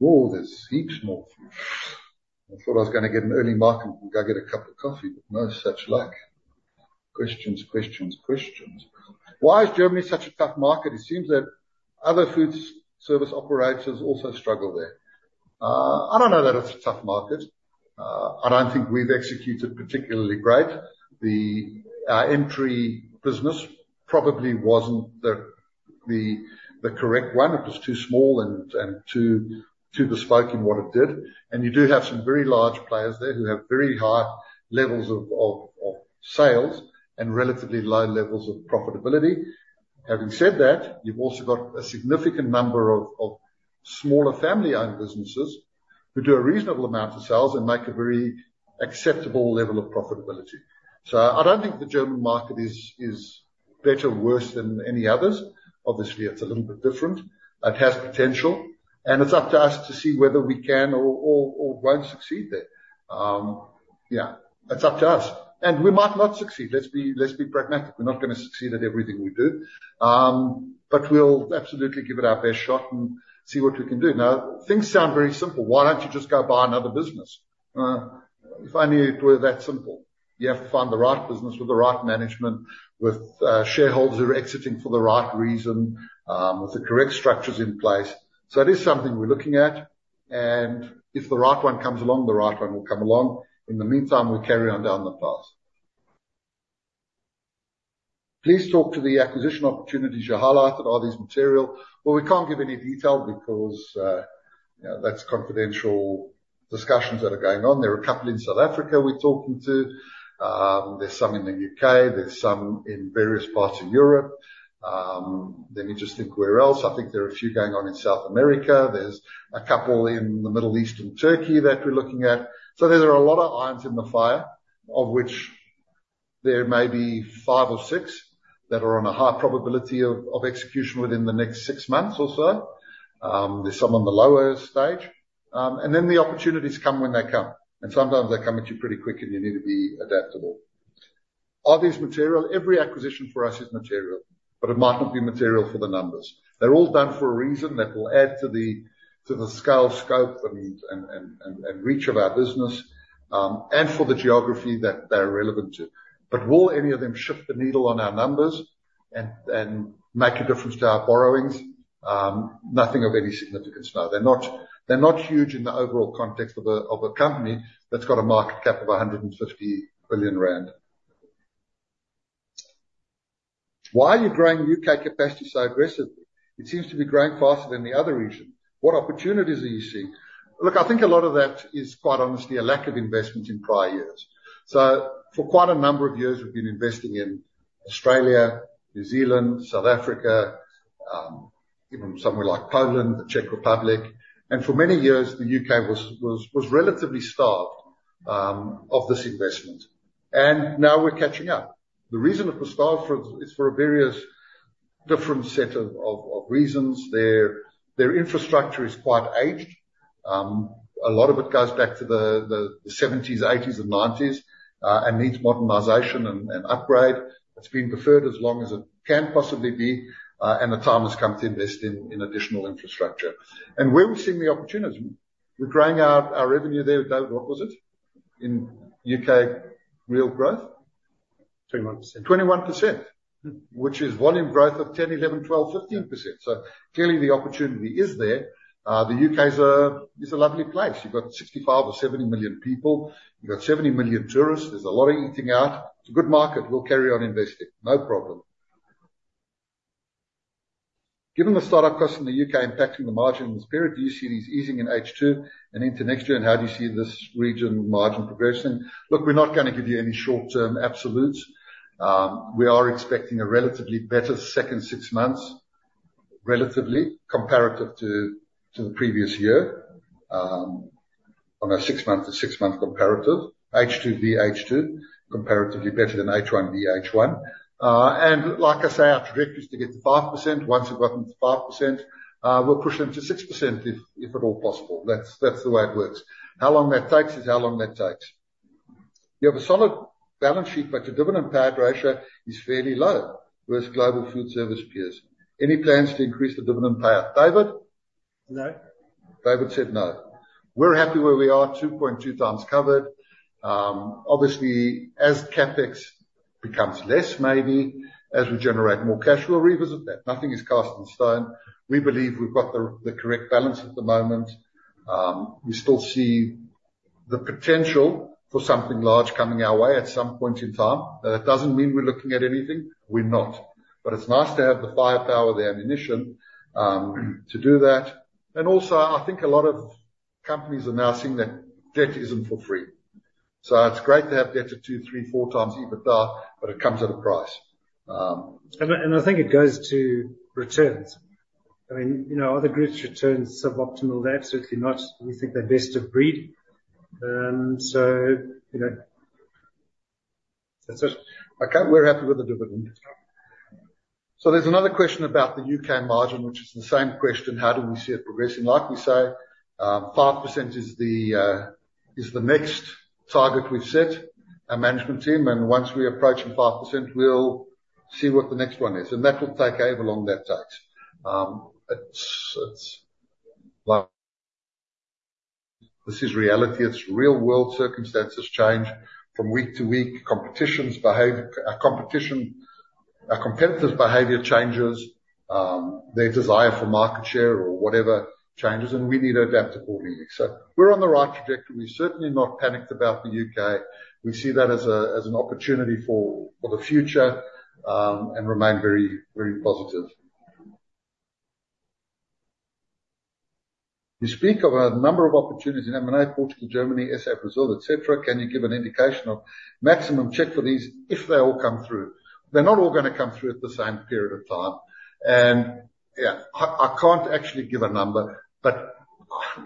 Oh, there's heaps more. I thought I was gonna get an early mark and go get a cup of coffee, but no such luck. Questions, questions, questions. Why is Germany such a tough market? It seems that other food service operators also struggle there. I don't know that it's a tough market. I don't think we've executed particularly great. The entry business probably wasn't the correct one. It was too small and too bespoke in what it did. And you do have some very large players there, who have very high levels of sales and relatively low levels of profitability. Having said that, you've also got a significant number of smaller family-owned businesses, who do a reasonable amount of sales and make a very acceptable level of profitability. So I don't think the German market is better or worse than any others. Obviously, it's a little bit different. It has potential, and it's up to us to see whether we can or won't succeed there. Yeah, it's up to us. And we might not succeed. Let's be pragmatic. We're not gonna succeed at everything we do, but we'll absolutely give it our best shot and see what we can do. Now, things sound very simple. Why don't you just go buy another business? If only it were that simple. You have to find the right business with the right management, with shareholders who are exiting for the right reason, with the correct structures in place. So it is something we're looking at, and if the right one comes along, the right one will come along. In the meantime, we'll carry on down the path. Please talk to the acquisition opportunities you highlighted. Are these material? Well, we can't give any detail because, you know, that's confidential discussions that are going on. There are a couple in South Africa we're talking to. There's some in the U.K., there's some in various parts of Europe. Let me just think where else. I think there are a few going on in South America. There's a couple in the Middle East and Turkey that we're looking at. So there are a lot of irons in the fire, of which there may be five or six that are on a high probability of execution within the next six months or so. There's some on the lower stage. And then the opportunities come when they come, and sometimes they come at you pretty quick, and you need to be adaptable. Are these material? Every acquisition for us is material, but it might not be material for the numbers. They're all done for a reason that will add to the scale, scope and reach of our business, and for the geography that they're relevant to. But will any of them shift the needle on our numbers and make a difference to our borrowings? Nothing of any significance, no. They're not huge in the overall context of a company that's got a market cap of 150 billion rand. Why are you growing U.K. capacity so aggressively? It seems to be growing faster than the other region. What opportunities are you seeing? Look, I think a lot of that is, quite honestly, a lack of investment in prior years. So for quite a number of years, we've been investing in Australia, New Zealand, South Africa, even somewhere like Poland, the Czech Republic. For many years, the U.K. was relatively starved of this investment, and now we're catching up. The reason it was starved for is for a various different set of reasons. Their infrastructure is quite aged. A lot of it goes back to the 70s, 80s and 90s, and needs modernization and upgrade. It's been deferred as long as it can possibly be, and the time has come to invest in additional infrastructure. And where we've seen the opportunities, we're growing our revenue there. David, what was it in U.K., real growth? 21%. 21%, which is volume growth of 10%, 11%, 12%, 15%. So clearly, the opportunity is there. The U.K.'s is a lovely place. You've got 65 or 70 million people. You've got 70 million tourists. There's a lot of eating out. It's a good market. We'll carry on investing, no problem. Given the start-up costs in the U.K. impacting the margin in this period, do you see these easing in H2 and into next year? And how do you see this region margin progressing? Look, we're not gonna give you any short-term absolutes. We are expecting a relatively better second six months, relatively comparative to, to the previous year. On a six-month to six-month comparative, H2 to H2, comparatively better than H1 to H1. And like I say, our trajectory is to get to 5%. Once we've gotten to 5%, we'll push them to 6% if, if at all possible. That's, that's the way it works. How long that takes is how long that takes. You have a solid balance sheet, but your dividend payout ratio is fairly low versus global food service peers. Any plans to increase the dividend payout? David? No. David said no. We're happy where we are, 2.2x covered. Obviously, as CapEx becomes less, maybe as we generate more cash, we'll revisit that. Nothing is cast in stone. We believe we've got the correct balance at the moment. We still see the potential for something large coming our way at some point in time. That doesn't mean we're looking at anything. We're not, but it's nice to have the firepower, the ammunition, to do that. And also, I think a lot of companies are now seeing that debt isn't for free. So it's great to have debt at 2, 3, 4x EBITDA, but it comes at a price. I think it goes to returns. I mean, you know, are the groups' returns suboptimal? They're absolutely not. We think they're best of breed. So, you know... That's it. Okay, we're happy with the dividend. So there's another question about the U.K. margin, which is the same question: How do we see it progressing? Like we say, 5% is the, is the next target we've set, our management team, and once we approaching 5%, we'll see what the next one is, and that will take however long that takes. It's, it's like this is reality. It's real-world circumstances change from week to week. Competition, our competitors' behavior changes, their desire for market share or whatever changes, and we need to adapt accordingly. So we're on the right trajectory. We're certainly not panicked about the U.K. We see that as a, as an opportunity for, for the future, and remain very, very positive. You speak of a number of opportunities in M&A, Portugal, Germany, S.A., Brazil, et cetera. Can you give an indication of maximum check for these if they all come through? They're not all gonna come through at the same period of time, and yeah, I can't actually give a number, but,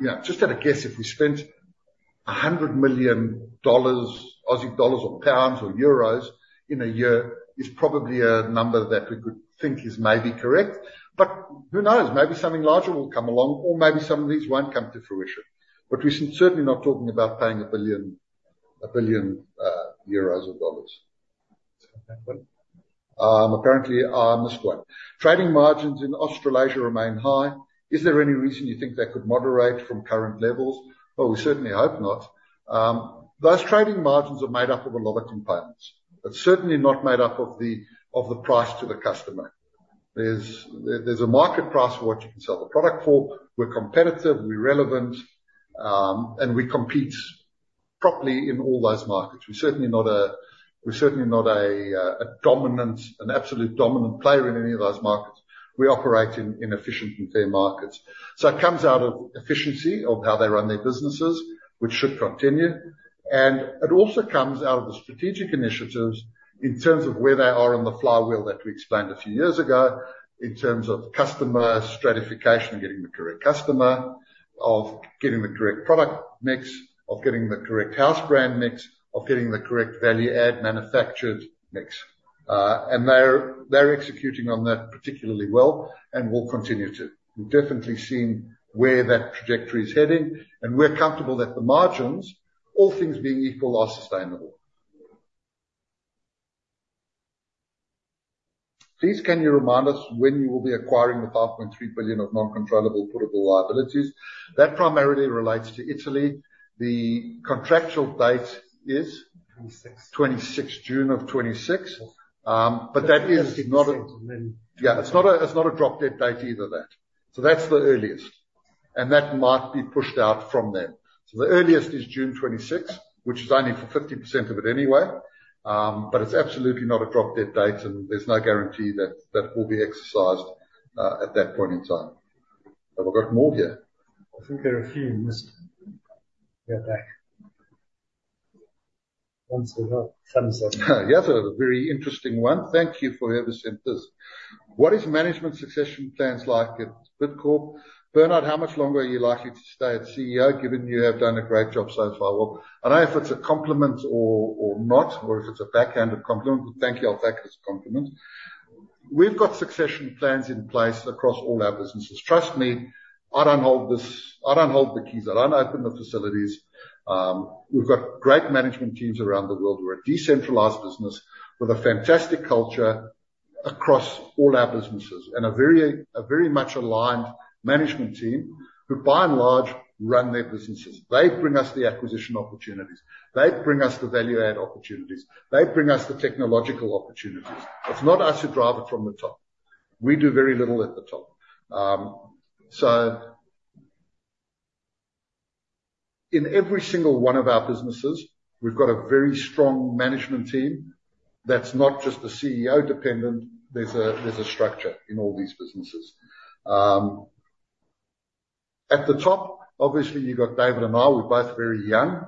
you know, just at a guess, if we spent $100 million, AUD 100 million or GBP 100 million or EUR 100 million in a year, is probably a number that we could think is maybe correct. But who knows? Maybe something larger will come along, or maybe some of these won't come to fruition. But we're certainly not talking about paying 1 billion, 1 billion, euros or dollars. Apparently, I missed one. Trading margins in Australasia remain high. Is there any reason you think they could moderate from current levels? Well, we certainly hope not. Those trading margins are made up of a lot of components. It's certainly not made up of the price to the customer. There's a market price for what you can sell the product for. We're competitive, we're relevant, and we compete properly in all those markets. We're certainly not a dominant, an absolute dominant player in any of those markets. We operate in efficient and fair markets. So it comes out of efficiency, of how they run their businesses, which should continue, and it also comes out of the strategic initiatives in terms of where they are in the flywheel that we explained a few years ago, in terms of customer stratification, getting the correct customer, of getting the correct product mix, of getting the correct house brand mix, of getting the correct value add manufactured mix. And they're executing on that particularly well, and will continue to. We've definitely seen where that trajectory is heading, and we're comfortable that the margins, all things being equal, are sustainable. "Please can you remind us when you will be acquiring the 5.3 billion of non-controllable puttable liabilities?" That primarily relates to Italy. The contractual date is- 26th. 26th June 2026. But that is not a- And then- Yeah, it's not a, it's not a drop dead date either, that. So that's the earliest, and that might be pushed out from then. So the earliest is June 26th, which is only for 50% of it anyway. But it's absolutely not a drop dead date, and there's no guarantee that that will be exercised at that point in time. Have I got more here? I think there are a few you missed. Go back. Once we've got some- Yes, a very interesting one. Thank you, whoever sent this. "What is management succession plans like at Bidcorp? Bernard, how much longer are you likely to stay as CEO, given you have done a great job so far?" Well, I don't know if it's a compliment or, or not, or if it's a backhanded compliment. But thank you, I'll take it as a compliment. We've got succession plans in place across all our businesses. Trust me, I don't hold this... I don't hold the keys. I don't open the facilities. We've got great management teams around the world. We're a decentralized business with a fantastic culture across all our businesses, and a very, a very much aligned management team, who by and large, run their businesses. They bring us the acquisition opportunities. They bring us the value add opportunities. They bring us the technological opportunities. It's not us who drive it from the top. We do very little at the top. So in every single one of our businesses, we've got a very strong management team that's not just the CEO dependent. There's a structure in all these businesses. At the top, obviously, you've got David and I. We're both very young,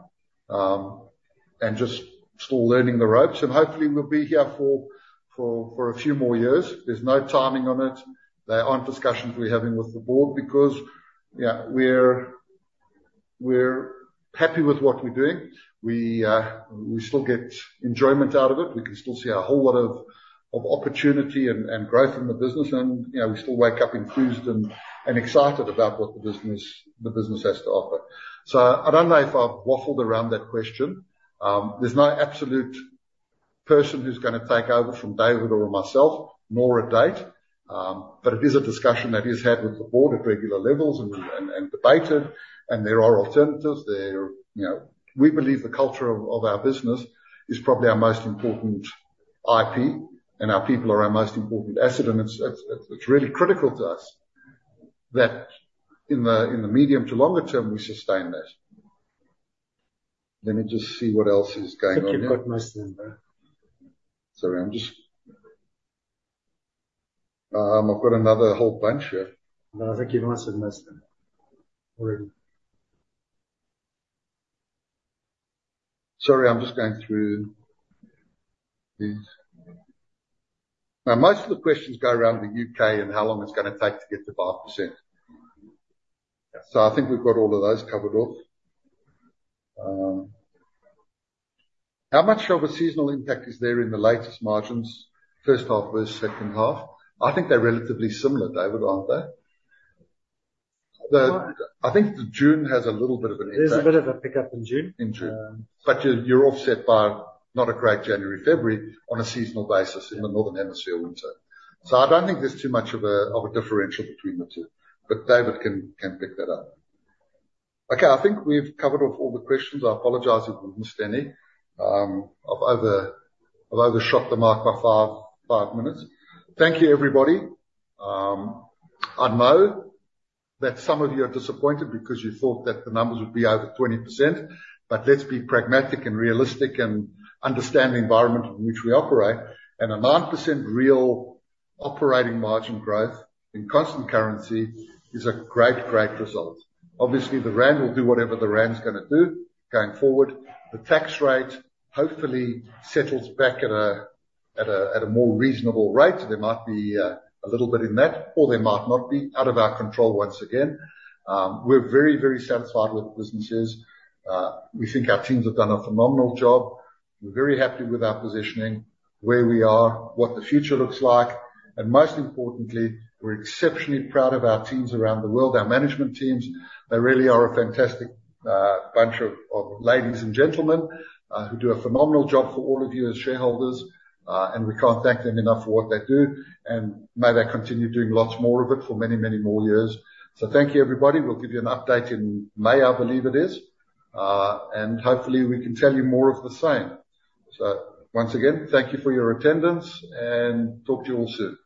and just still learning the ropes, and hopefully we'll be here for a few more years. There's no timing on it. There aren't discussions we're having with the board because, yeah, we're happy with what we're doing. We still get enjoyment out of it. We can still see a whole lot of opportunity and growth in the business, and, you know, we still wake up enthused and excited about what the business has to offer. So I don't know if I've waffled around that question. There's no absolute person who's gonna take over from David or myself, nor a date. But it is a discussion that is had with the board at regular levels and debated, and there are alternatives. You know, we believe the culture of our business is probably our most important IP, and our people are our most important asset. And it's really critical to us that in the medium to longer term, we sustain that. Let me just see what else is going on here. I think you've got most of them there. Sorry, I'm just... I've got another whole bunch here. No, I think you might have missed them already. Sorry, I'm just going through these. Now, most of the questions go around the U.K. and how long it's gonna take to get to 5%. Yeah. So I think we've got all of those covered off. "How much of a seasonal impact is there in the latest margins, first half versus second half?" I think they're relatively similar, David, aren't they? The- Well-... I think the June has a little bit of an impact. There's a bit of a pickup in June. In June. Um- But you're offset by not a great January, February on a seasonal basis in the Northern Hemisphere winter. So I don't think there's too much of a differential between the two, but David can pick that up. Okay, I think we've covered off all the questions. I apologize if we've missed any. I've overshot the mark by five minutes. Thank you, everybody. I know that some of you are disappointed because you thought that the numbers would be over 20%, but let's be pragmatic and realistic, and understand the environment in which we operate. A 9% real operating margin growth in constant currency is a great, great result. Obviously, the South African rand will do whatever the South African rand's gonna do going forward. The tax rate hopefully settles back at a more reasonable rate. There might be a little bit in that, or there might not be. Out of our control once again. We're very, very satisfied with the businesses. We think our teams have done a phenomenal job. We're very happy with our positioning, where we are, what the future looks like, and most importantly, we're exceptionally proud of our teams around the world, our management teams. They really are a fantastic bunch of ladies and gentlemen who do a phenomenal job for all of you as shareholders. And we can't thank them enough for what they do, and may they continue doing lots more of it for many, many more years. So thank you, everybody. We'll give you an update in May, I believe it is. And hopefully, we can tell you more of the same. Once again, thank you for your attendance, and talk to you all soon.